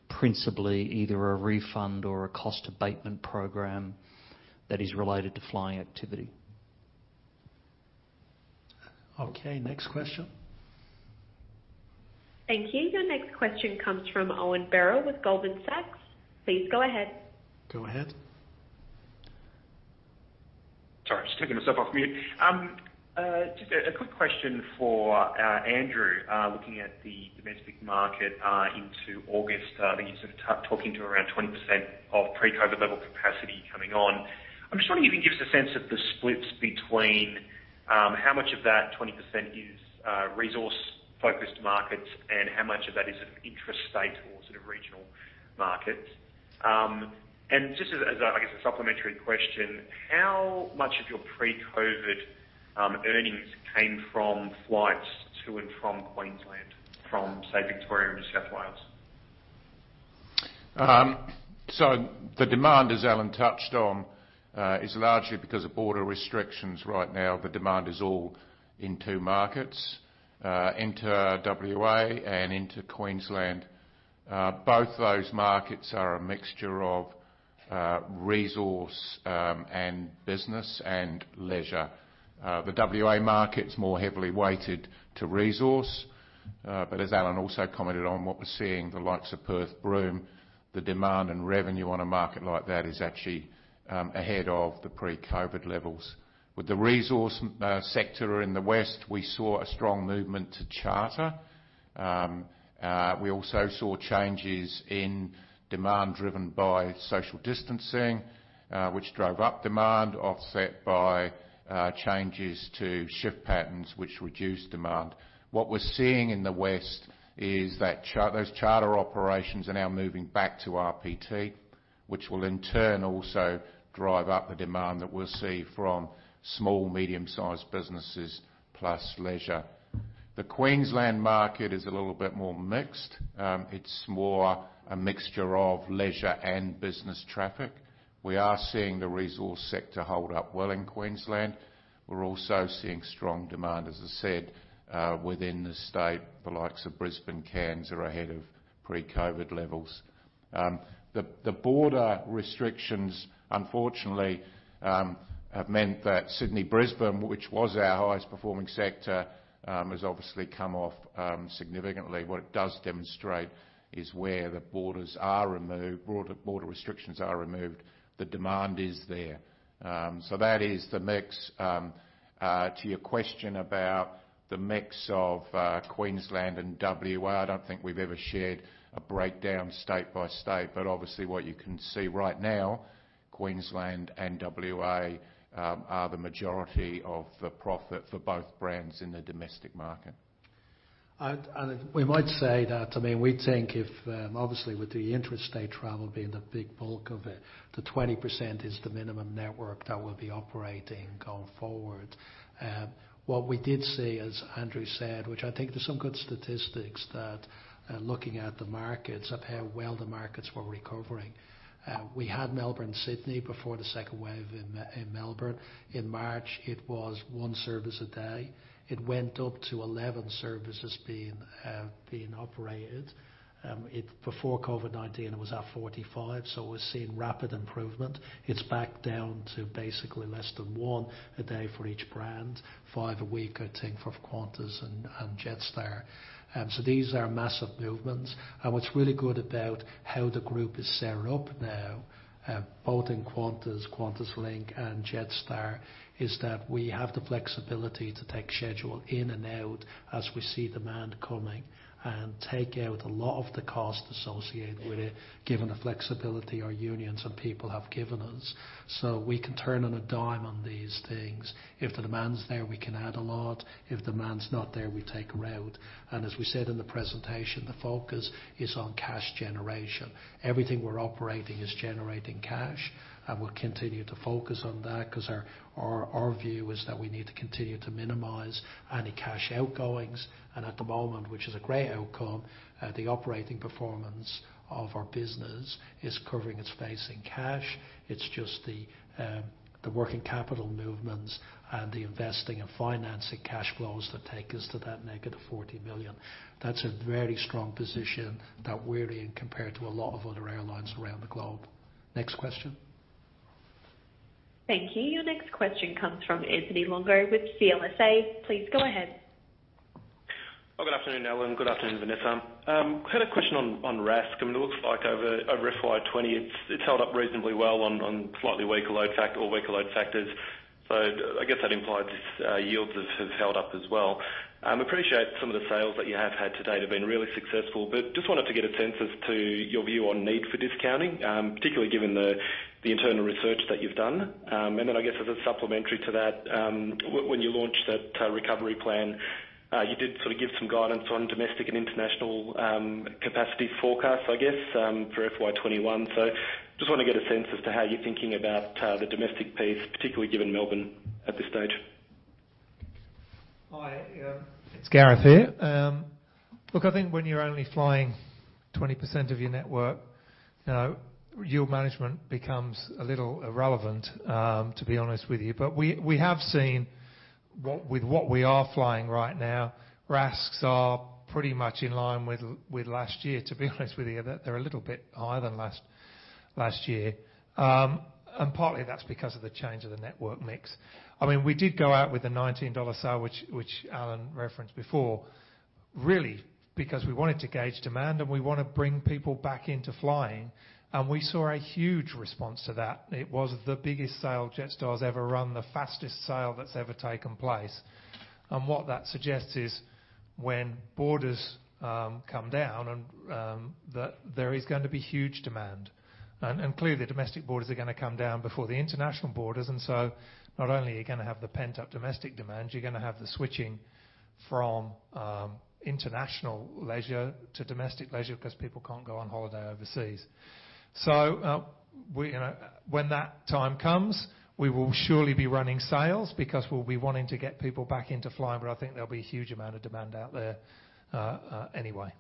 principally either a refund or a cost abatement program that is related to flying activity. Okay, next question. Thank you. Your next question comes from Owen Birrell with Goldman Sachs.Please go ahead. Go ahead. Sorry, just taking myself off mute. Just a quick question for Andrew. Looking at the domestic market into August, I think you're sort of talking to around 20% of pre-COVID level capacity coming on. I'm just wondering if you can give us a sense of the splits between how much of that 20% is resource-focused markets and how much of that is sort of interstate or sort of regional markets. And just as, I guess, a supplementary question, how much of your pre-COVID earnings came from flights to and from Queensland, from, say, Victoria and New South Wales? So the demand, as Alan touched on, is largely because of border restrictions right now. The demand is all in two markets, into WA and into Queensland. Both those markets are a mixture of resource and business and leisure. The WA market's more heavily weighted to resource. But as Alan also commented on what we're seeing, the likes of Perth, Broome, the demand and revenue on a market like that is actually ahead of the pre-COVID levels. With the resource sector in the west, we saw a strong movement to charter. We also saw changes in demand driven by social distancing, which drove up demand, offset by changes to shift patterns, which reduced demand. What we're seeing in the west is that those charter operations are now moving back to RPT, which will in turn also drive up the demand that we'll see from small, medium-sized businesses plus leisure. The Queensland market is a little bit more mixed. It's more a mixture of leisure and business traffic. We are seeing the resource sector hold up well in Queensland. We're also seeing strong demand, as I said, within the state, the likes of Brisbane, Cairns are ahead of pre-COVID levels. The border restrictions, unfortunately, have meant that Sydney, Brisbane, which was our highest performing sector, has obviously come off significantly. What it does demonstrate is where the borders are removed, border restrictions are removed, the demand is there. So that is the mix. To your question about the mix of Queensland and WA, I don't think we've ever shared a breakdown state by state. But obviously, what you can see right now, Queensland and WA are the majority of the profit for both brands in the domestic market. And we might say that, I mean, we think if obviously with the interstate travel being the big bulk of it, the 20% is the minimum network that will be operating going forward. What we did see, as Andrew said, which I think there's some good statistics that looking at the markets of how well the markets were recovering. We had Melbourne and Sydney before the second wave in Melbourne. In March, it was one service a day. It went up to 11 services being operated. Before COVID-19, it was at 45. So we're seeing rapid improvement. It's back down to basically less than one a day for each brand, five a week, I think, for Qantas and Jetstar. So these are massive movements. And what's really good about how the group is set up now, both in Qantas, QantasLink, and Jetstar, is that we have the flexibility to take schedule in and out as we see demand coming and take out a lot of the cost associated with it, given the flexibility our unions and people have given us. So we can turn on a dime on these things. If the demand's there, we can add a lot. If the demand's not there, we take it out. And as we said in the presentation, the focus is on cash generation. Everything we're operating is generating cash, and we'll continue to focus on that because our view is that we need to continue to minimize any cash outgoings. And at the moment, which is a great outcome, the operating performance of our business is covering its costs in cash. It's just the working capital movements and the investing and financing cash flows that take us to that -40 million. That's a very strong position that we're in compared to a lot of other airlines around the globe. Next question. Thank you. Your next question comes from Anthony Longo with CLSA. Please go ahead. Well, good afternoon, Alan. Good afternoon, Vanessa. I had a question on RASK. I mean, it looks like over FY20, it's held up reasonably well on slightly weaker load factor or weaker load factors. So I guess that implies yields have held up as well. We appreciate some of the sales that you have had today that have been really successful, but just wanted to get a sense as to your view on need for discounting, particularly given the internal research that you've done. And then I guess as a supplementary to that, when you launched that recovery plan, you did sort of give some guidance on domestic and international capacity forecasts, I guess, for FY21. So just wanted to get a sense as to how you're thinking about the domestic piece, particularly given Melbourne at this stage. Hi, it's Gareth here. Look, I think when you're only flying 20% of your network, yield management becomes a little irrelevant, to be honest with you. But we have seen with what we are flying right now, RASKs are pretty much in line with last year, to be honest with you, that they're a little bit higher than last year. And partly that's because of the change of the network mix. I mean, we did go out with a 19 dollar sale, which Alan referenced before, really because we wanted to gauge demand and we want to bring people back into flying. And we saw a huge response to that. It was the biggest sale Jetstar's ever run, the fastest sale that's ever taken place. And what that suggests is when borders come down, there is going to be huge demand. And clearly, the domestic borders are going to come down before the international borders. And so not only are you going to have the pent-up domestic demand, you're going to have the switching from international leisure to domestic leisure because people can't go on holiday overseas. So when that time comes, we will surely be running sales because we'll be wanting to get people back into flying, but I think there'll be a huge amount of demand out there anyway.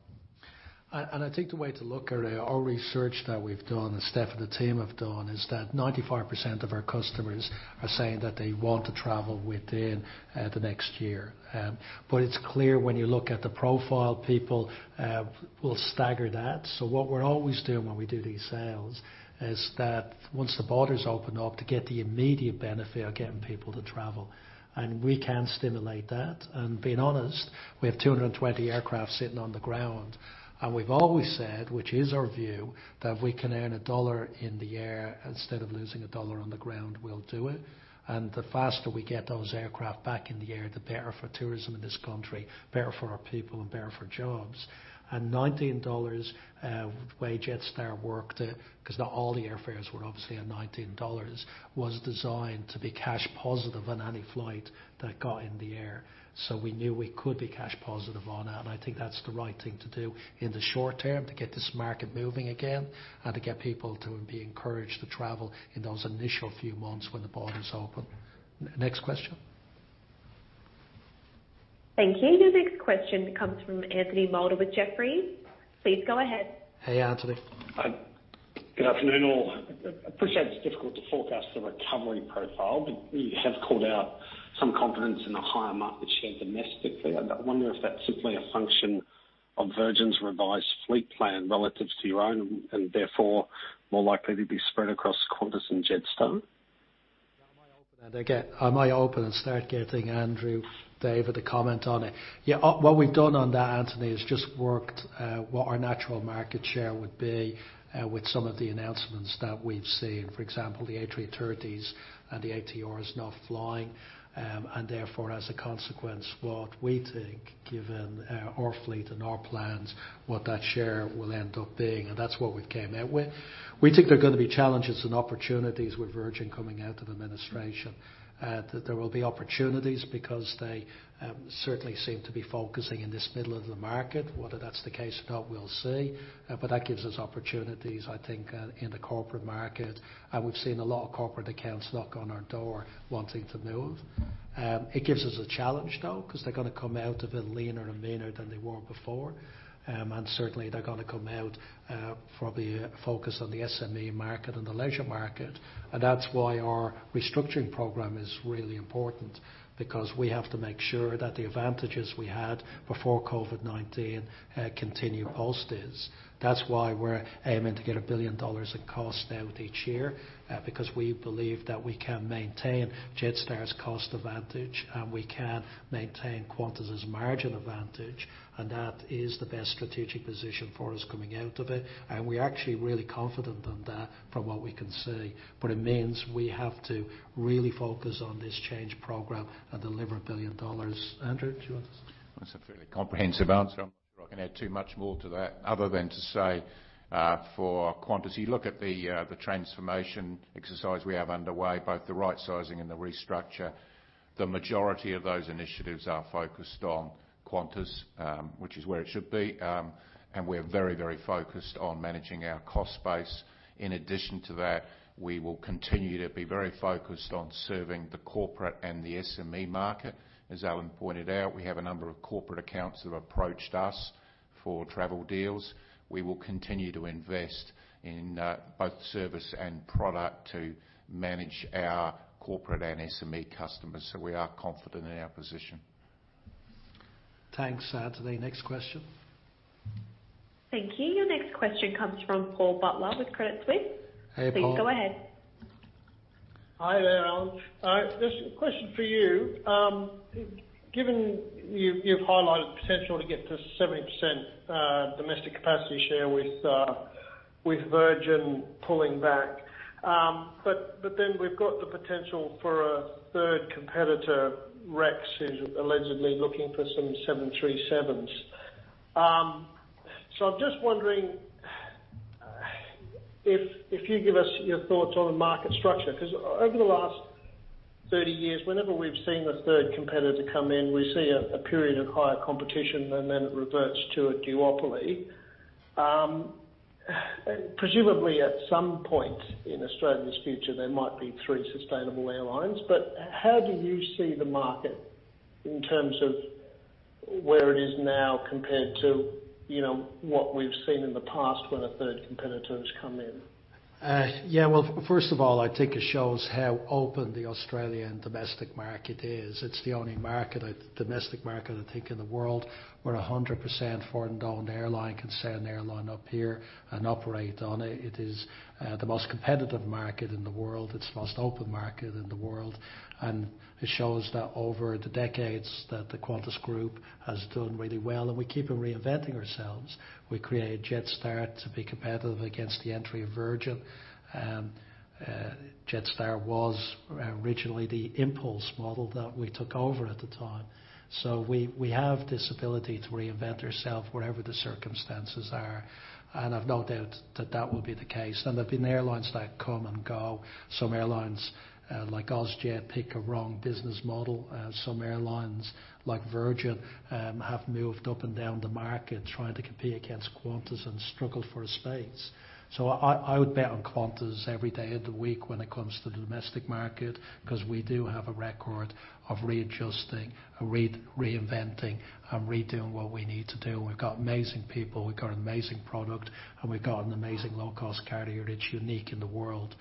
I think the way to look at it, our research that we've done and the staff and the team have done, is that 95% of our customers are saying that they want to travel within the next year. But it's clear when you look at the profile, people will stagger that. So what we're always doing when we do these sales is that once the borders open up, to get the immediate benefit of getting people to travel. And we can stimulate that. And being honest, we have 220 aircraft sitting on the ground. And we've always said, which is our view, that if we can earn a dollar in the air instead of losing a dollar on the ground, we'll do it. And the faster we get those aircraft back in the air, the better for tourism in this country, better for our people, and better for jobs. And 19 dollars the way Jetstar worked it, because not all the airfares were obviously at 19 dollars, was designed to be cash positive on any flight that got in the air. So we knew we could be cash positive on it. And I think that's the right thing to do in the short term to get this market moving again and to get people to be encouraged to travel in those initial few months when the borders open. Next question. Thank you. Your next question comes from Anthony Moulder with Jefferies. Please go ahead. Hey, Anthony. Good afternoon, all. I appreciate it's difficult to forecast the recovery profile, but you have called out some confidence in a higher market share domestically. I wonder if that's simply a function of Virgin's revised fleet plan relative to your own and therefore more likely to be spread across Qantas and Jetstar. I might open and start getting Andrew David a comment on it. Yeah, what we've done on that, Anthony, has just worked what our natural market share would be with some of the announcements that we've seen. For example, the A380s and the A320s not flying. And therefore, as a consequence, what we think, given our fleet and our plans, what that share will end up being. And that's what we've came out with. We think there are going to be challenges and opportunities with Virgin coming out of the administration. There will be opportunities because they certainly seem to be focusing in this middle of the market. Whether that's the case or not, we'll see. But that gives us opportunities, I think, in the corporate market. And we've seen a lot of corporate accounts knock on our door wanting to move. It gives us a challenge, though, because they're going to come out a bit leaner and meaner than they were before, and certainly, they're going to come out probably focused on the SME market and the leisure market, and that's why our restructuring program is really important, because we have to make sure that the advantages we had before COVID-19 continue positive. That's why we're aiming to get 1 billion dollars in cost out each year, because we believe that we can maintain Jetstar's cost advantage and we can maintain Qantas' margin advantage, and that is the best strategic position for us coming out of it, and we're actually really confident on that from what we can see, but it means we have to really focus on this change program and deliver 1 billion dollars. Andrew, do you want to? That's a fairly comprehensive answer. I'm not sure I can add too much more to that other than to say for Qantas, you look at the transformation exercise we have underway, both the rightsizing and the restructure. The majority of those initiatives are focused on Qantas, which is where it should be, and we're very, very focused on managing our cost base. In addition to that, we will continue to be very focused on serving the corporate and the SME market. As Alan pointed out, we have a number of corporate accounts that have approached us for travel deals. We will continue to invest in both service and product to manage our corporate and SME customers, so we are confident in our position. Thanks, Anthony. Next question. Thank you. Your next question comes from Paul Butler with Credit Suisse. Hey, Paul. Please go ahead. Hi there, Alan. Just a question for you. Given you've highlighted the potential to get to 70% domestic capacity share with Virgin pulling back, but then we've got the potential for a third competitor, Rex, who's allegedly looking for some 737s. So I'm just wondering if you give us your thoughts on the market structure, because over the last 30 years, whenever we've seen the third competitor come in, we see a period of higher competition and then it reverts to a duopoly. Presumably, at some point in Australia's future, there might be three sustainable airlines. But how do you see the market in terms of where it is now compared to what we've seen in the past when a third competitor has come in? Yeah, well, first of all, I think it shows how open the Australian domestic market is.It's the only domestic market, I think, in the world where 100% foreign-owned airline can send an airline up here and operate on it. It is the most competitive market in the world. It's the most open market in the world. And it shows that over the decades that the Qantas Group has done really well. And we keep on reinventing ourselves. We created Jetstar to be competitive against the entry of Virgin. Jetstar was originally the Impulse model that we took over at the time. So we have this ability to reinvent ourselves wherever the circumstances are. And I've no doubt that that will be the case. And there have been airlines that come and go. Some airlines like OzJet pick a wrong business model. Some airlines like Virgin have moved up and down the market trying to compete against Qantas and struggle for a space. So I would bet on Qantas every day of the week when it comes to the domestic market, because we do have a record of readjusting, reinventing, and redoing what we need to do. We've got amazing people. We've got an amazing product. And we've got an amazing low-cost carrier that's unique in the world.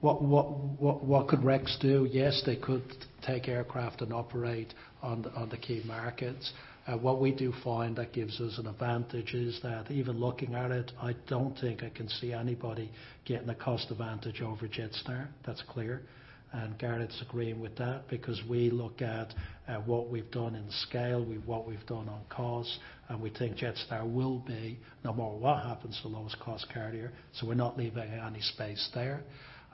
What could Rex do? Yes, they could take aircraft and operate on the key markets. What we do find that gives us an advantage is that even looking at it, I don't think I can see anybody getting a cost advantage over Jetstar. That's clear. And Gareth's agreeing with that because we look at what we've done in scale, what we've done on cost, and we think Jetstar will be no matter what happens to the lowest cost carrier. So we're not leaving any space there.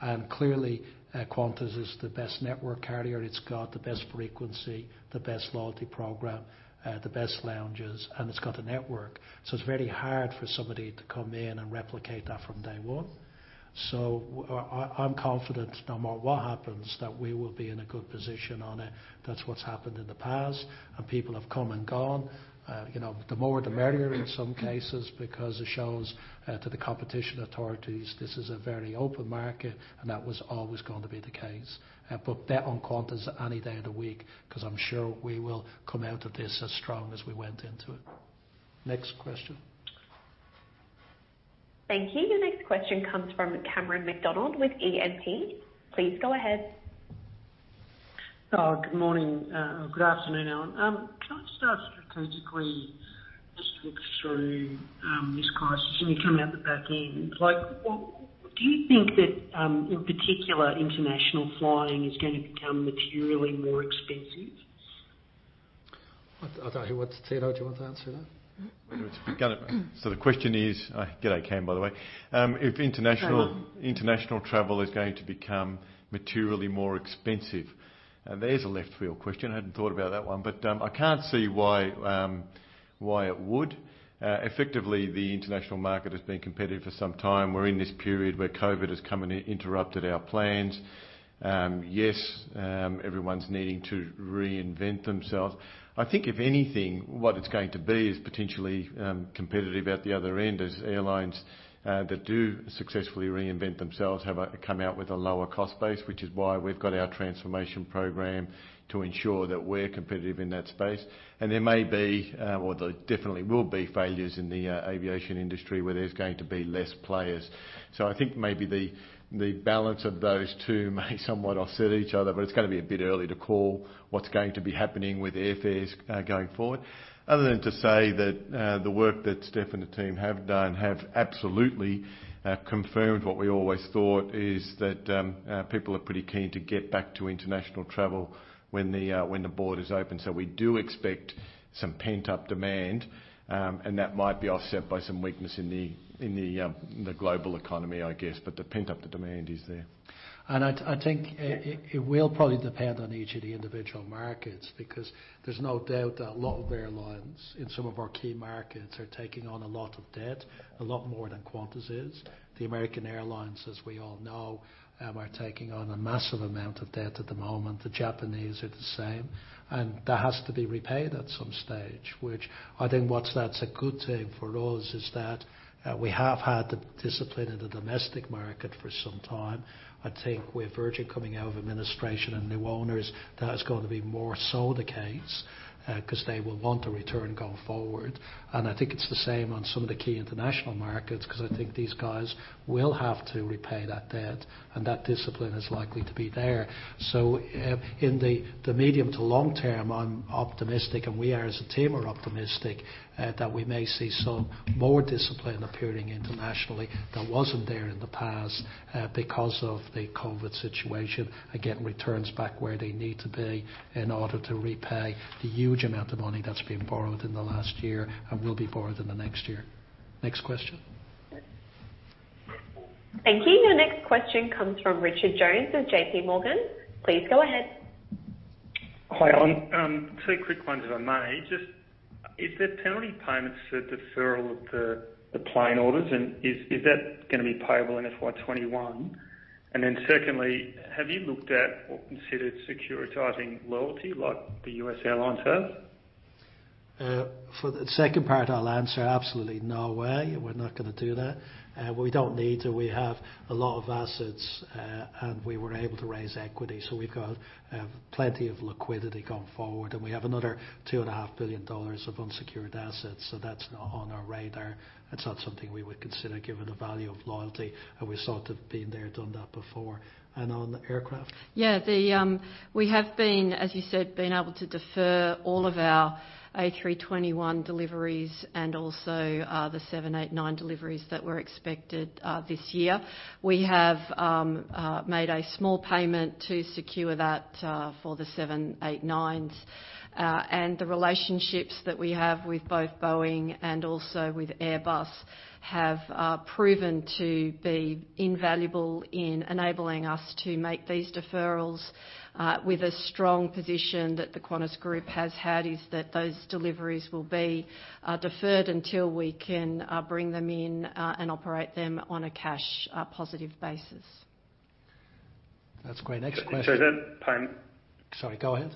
And clearly, Qantas is the best network carrier. It's got the best frequency, the best loyalty program, the best lounges, and it's got a network. So it's very hard for somebody to come in and replicate that from day one. So I'm confident no matter what happens that we will be in a good position on it. That's what's happened in the past. And people have come and gone. The more the merrier in some cases, because it shows to the competition authorities this is a very open market, and that was always going to be the case. But bet on Qantas any day of the week because I'm sure we will come out of this as strong as we went into it. Next question. Thank you. Your next question comes from Cameron McDonald with E&P. Please go ahead. Good morning. Good afternoon, Alan.Can I start strategically just looking through this crisis and you come out the back end? Do you think that, in particular, international flying is going to become materially more expensive? I don't know. What's the Don't you want to answer that? So the question is, I get okay, by the way. If international travel is going to become materially more expensive, and there's a left-field question. I hadn't thought about that one, but I can't see why it would. Effectively, the international market has been competitive for some time. We're in this period where COVID has come and interrupted our plans. Yes, everyone's needing to reinvent themselves. I think, if anything, what it's going to be is potentially competitive at the other end, as airlines that do successfully reinvent themselves have come out with a lower cost base, which is why we've got our transformation program to ensure that we're competitive in that space, and there may be, or there definitely will be, failures in the aviation industry where there's going to be less players, so I think maybe the balance of those two may somewhat offset each other, but it's going to be a bit early to call what's going to be happening with airfares going forward, other than to say that the work that Steph and the team have done have absolutely confirmed what we always thought is that people are pretty keen to get back to international travel when the borders open. So we do expect some pent-up demand, and that might be offset by some weakness in the global economy, I guess. But the pent-up demand is there. And I think it will probably depend on each of the individual markets because there's no doubt that a lot of airlines in some of our key markets are taking on a lot of debt, a lot more than Qantas is. The American airlines, as we all know, are taking on a massive amount of debt at the moment. The Japanese are the same. And that has to be repaid at some stage, which I think what's a good thing for us is that we have had the discipline in the domestic market for some time. I think with Virgin coming out of administration and new owners, that is going to be more so the case because they will want a return going forward. And I think it's the same on some of the key international markets because I think these guys will have to repay that debt, and that discipline is likely to be there. So in the medium to long term, I'm optimistic, and we are as a team are optimistic that we may see some more discipline appearing internationally that wasn't there in the past because of the COVID situation and getting returns back where they need to be in order to repay the huge amount of money that's been borrowed in the last year and will be borrowed in the next year. Next question. Thank you. Your next question comes from Richard Jones with JPMorgan. Please go ahead. Hi, Alan. Two quick ones, if I may. Just is there penalty payments for the deferral of the plane orders, and is that going to be payable in FY21? And then secondly, have you looked at or considered securitizing loyalty like the U.S. airlines have? For the second part, I'll answer absolutely no way. We're not going to do that. We don't need to. We have a lot of assets, and we were able to raise equity. So we've got plenty of liquidity going forward. And we have another 2.5 billion dollars of unsecured assets. So that's not on our radar. It's not something we would consider given the value of loyalty. And we've sort of been there, done that before. And on aircraft? Yeah. We have, as you said, been able to defer all of our A321 deliveries and also the 789 deliveries that were expected this year. We have made a small payment to secure that for the 789s. And the relationships that we have with both Boeing and also with Airbus have proven to be invaluable in enabling us to make these deferrals. With a strong position that the Qantas Group has had is that those deliveries will be deferred until we can bring them in and operate them on a cash-positive basis. That's great. Next question. Sorry, go ahead.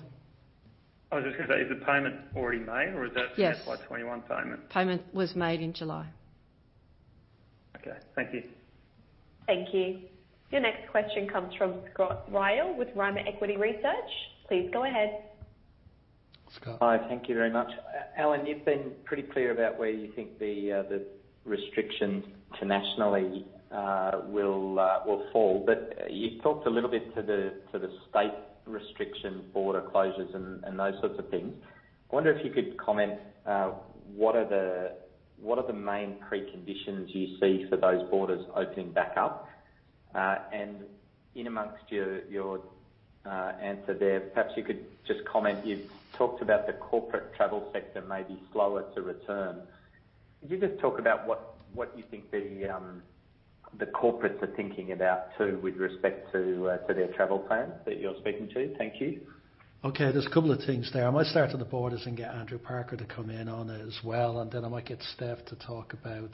I was just going to say, is the payment already made, or is that the FY21 payment? Yes. Payment was made in July. Okay. Thank you. Thank you. Your next question comes from Scott Ryall with Rimor Equity Research. Please go ahead. Scott. Hi. Thank you very much. Alan, you've been pretty clear about where you think the restrictions internationally will fall. But you talked a little bit to the state restriction border closures and those sorts of things. I wonder if you could comment, what are the main preconditions you see for those borders opening back up? And in amongst your answer there, perhaps you could just comment, you've talked about the corporate travel sector may be slower to return. Could you just talk about what you think the corporates are thinking about too with respect to their travel plans that you're speaking to? Thank you. Okay. There's a couple of things there. I might start at the borders and get Andrew Parker to come in on it as well. And then I might get Steph to talk about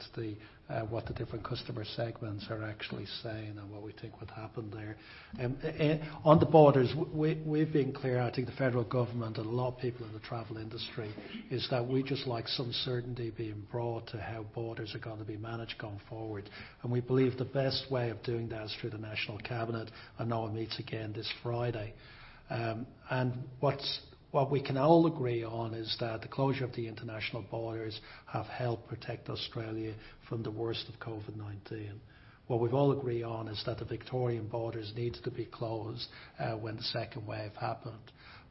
what the different customer segments are actually saying and what we think would happen there. On the borders, we've been clear. I think the federal government and a lot of people in the travel industry is that we just like some certainty being brought to how borders are going to be managed going forward, and we believe the best way of doing that is through the National Cabinet. I know I'll meet again this Friday, and what we can all agree on is that the closure of the international borders have helped protect Australia from the worst of COVID-19. What we've all agreed on is that the Victorian borders need to be closed when the second wave happened,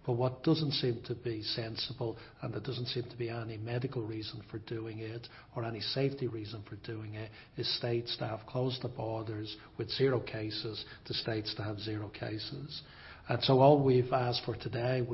but what doesn't seem to be sensible, and there doesn't seem to be any medical reason for doing it or any safety reason for doing it, is states to have closed the borders with zero cases to states to have zero cases. And so all we've asked for today,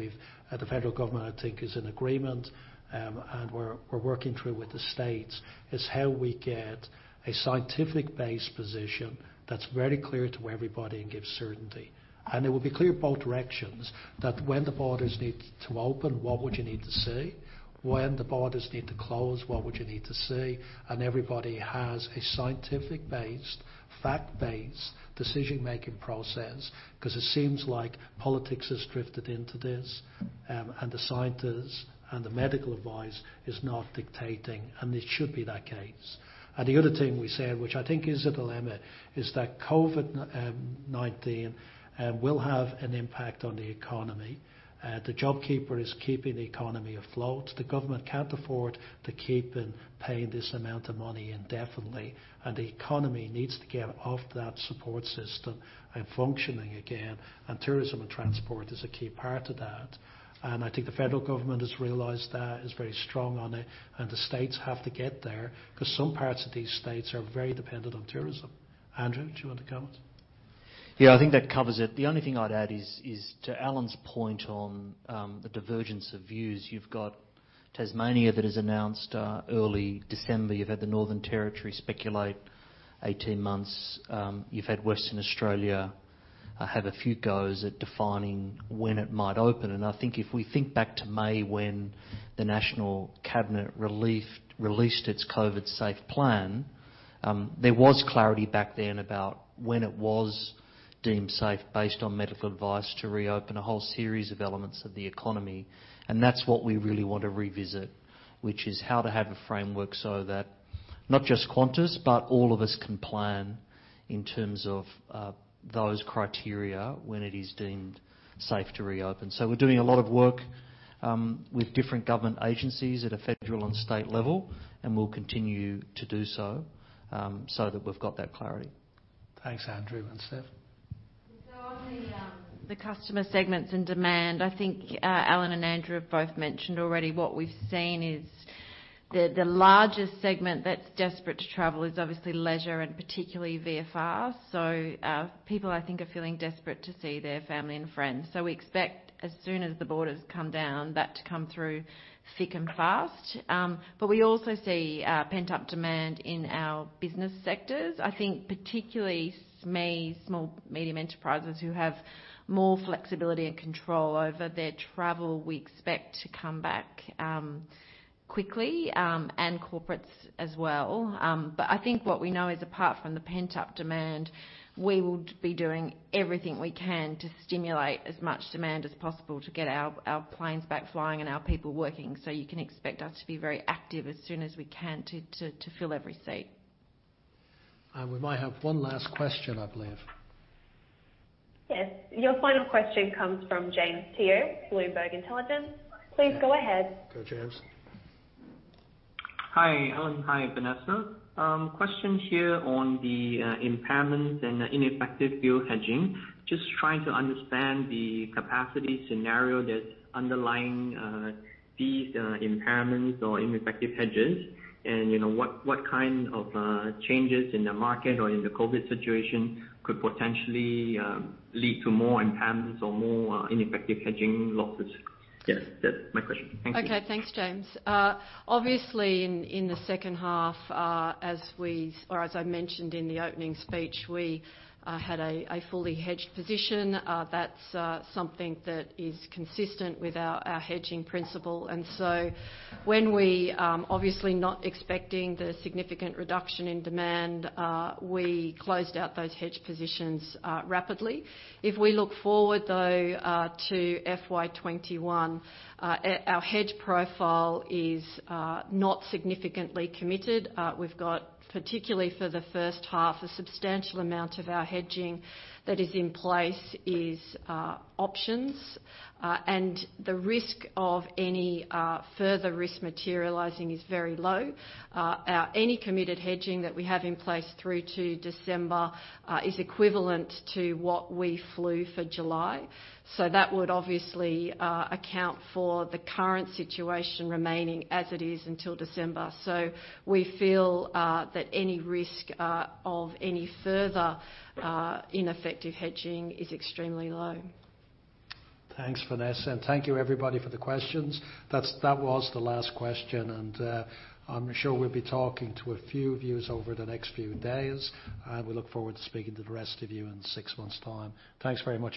the federal government, I think, is in agreement, and we're working through with the states, is how we get a scientific-based position that's very clear to everybody and gives certainty. And it will be clear both directions that when the borders need to open, what would you need to see? When the borders need to close, what would you need to see? And everybody has a scientific-based, fact-based decision-making process because it seems like politics has drifted into this, and the scientists and the medical advice is not dictating, and it should be that case. And the other thing we said, which I think is at a limit, is that COVID-19 will have an impact on the economy. The JobKeeper is keeping the economy afloat. The government can't afford to keep paying this amount of money indefinitely. And the economy needs to get off that support system and functioning again. And tourism and transport is a key part of that. And I think the federal government has realized that, is very strong on it. And the states have to get there because some parts of these states are very dependent on tourism. Andrew, do you want to comment? Yeah, I think that covers it. The only thing I'd add is to Alan's point on the divergence of views. You've got Tasmania that has announced early December. You've had the Northern Territory speculate 18 months. You've had Western Australia have a few goes at defining when it might open. And I think if we think back to May when the National Cabinet released its COVID-safe plan, there was clarity back then about when it was deemed safe based on medical advice to reopen a whole series of elements of the economy. And that's what we really want to revisit, which is how to have a framework so that not just Qantas, but all of us can plan in terms of those criteria when it is deemed safe to reopen. So we're doing a lot of work with different government agencies at a federal and state level, and we'll continue to do so so that we've got that clarity. Thanks, Andrew. And Steph? The customer segments and demand. I think Alan and Andrew have both mentioned already. What we've seen is the largest segment that's desperate to travel is obviously leisure and particularly VFR.So people, I think, are feeling desperate to see their family and friends. So we expect, as soon as the borders come down, that to come through thick and fast. But we also see pent-up demand in our business sectors. I think particularly small, medium enterprises who have more flexibility and control over their travel, we expect to come back quickly, and corporates as well. But I think what we know is, apart from the pent-up demand, we will be doing everything we can to stimulate as much demand as possible to get our planes back flying and our people working. So you can expect us to be very active as soon as we can to fill every seat. We might have one last question, I believe. Yes. Your final question comes from James Teo with Bloomberg Intelligence. Please go ahead. Go, James. Hi, Alan. Hi, Vanessa.Question here on the impairments and ineffective fuel hedging. Just trying to understand the capacity scenario that's underlying these impairments or ineffective hedges and what kind of changes in the market or in the COVID situation could potentially lead to more impairments or more ineffective hedging losses. Yes. That's my question. Thank you. Okay. Thanks, James. Obviously, in the second half, as I mentioned in the opening speech, we had a fully hedged position. That's something that is consistent with our hedging principle. And so when we obviously not expecting the significant reduction in demand, we closed out those hedged positions rapidly. If we look forward, though, to FY21, our hedge profile is not significantly committed. We've got, particularly for the first half, a substantial amount of our hedging that is in place is options. And the risk of any further risk materializing is very low. Any committed hedging that we have in place through to December is equivalent to what we flew for July. So that would obviously account for the current situation remaining as it is until December. So we feel that any risk of any further ineffective hedging is extremely low. Thanks, Vanessa. And thank you, everybody, for the questions. That was the last question. And I'm sure we'll be talking to a few of you over the next few days. And we look forward to speaking to the rest of you in six months' time. Thanks very much.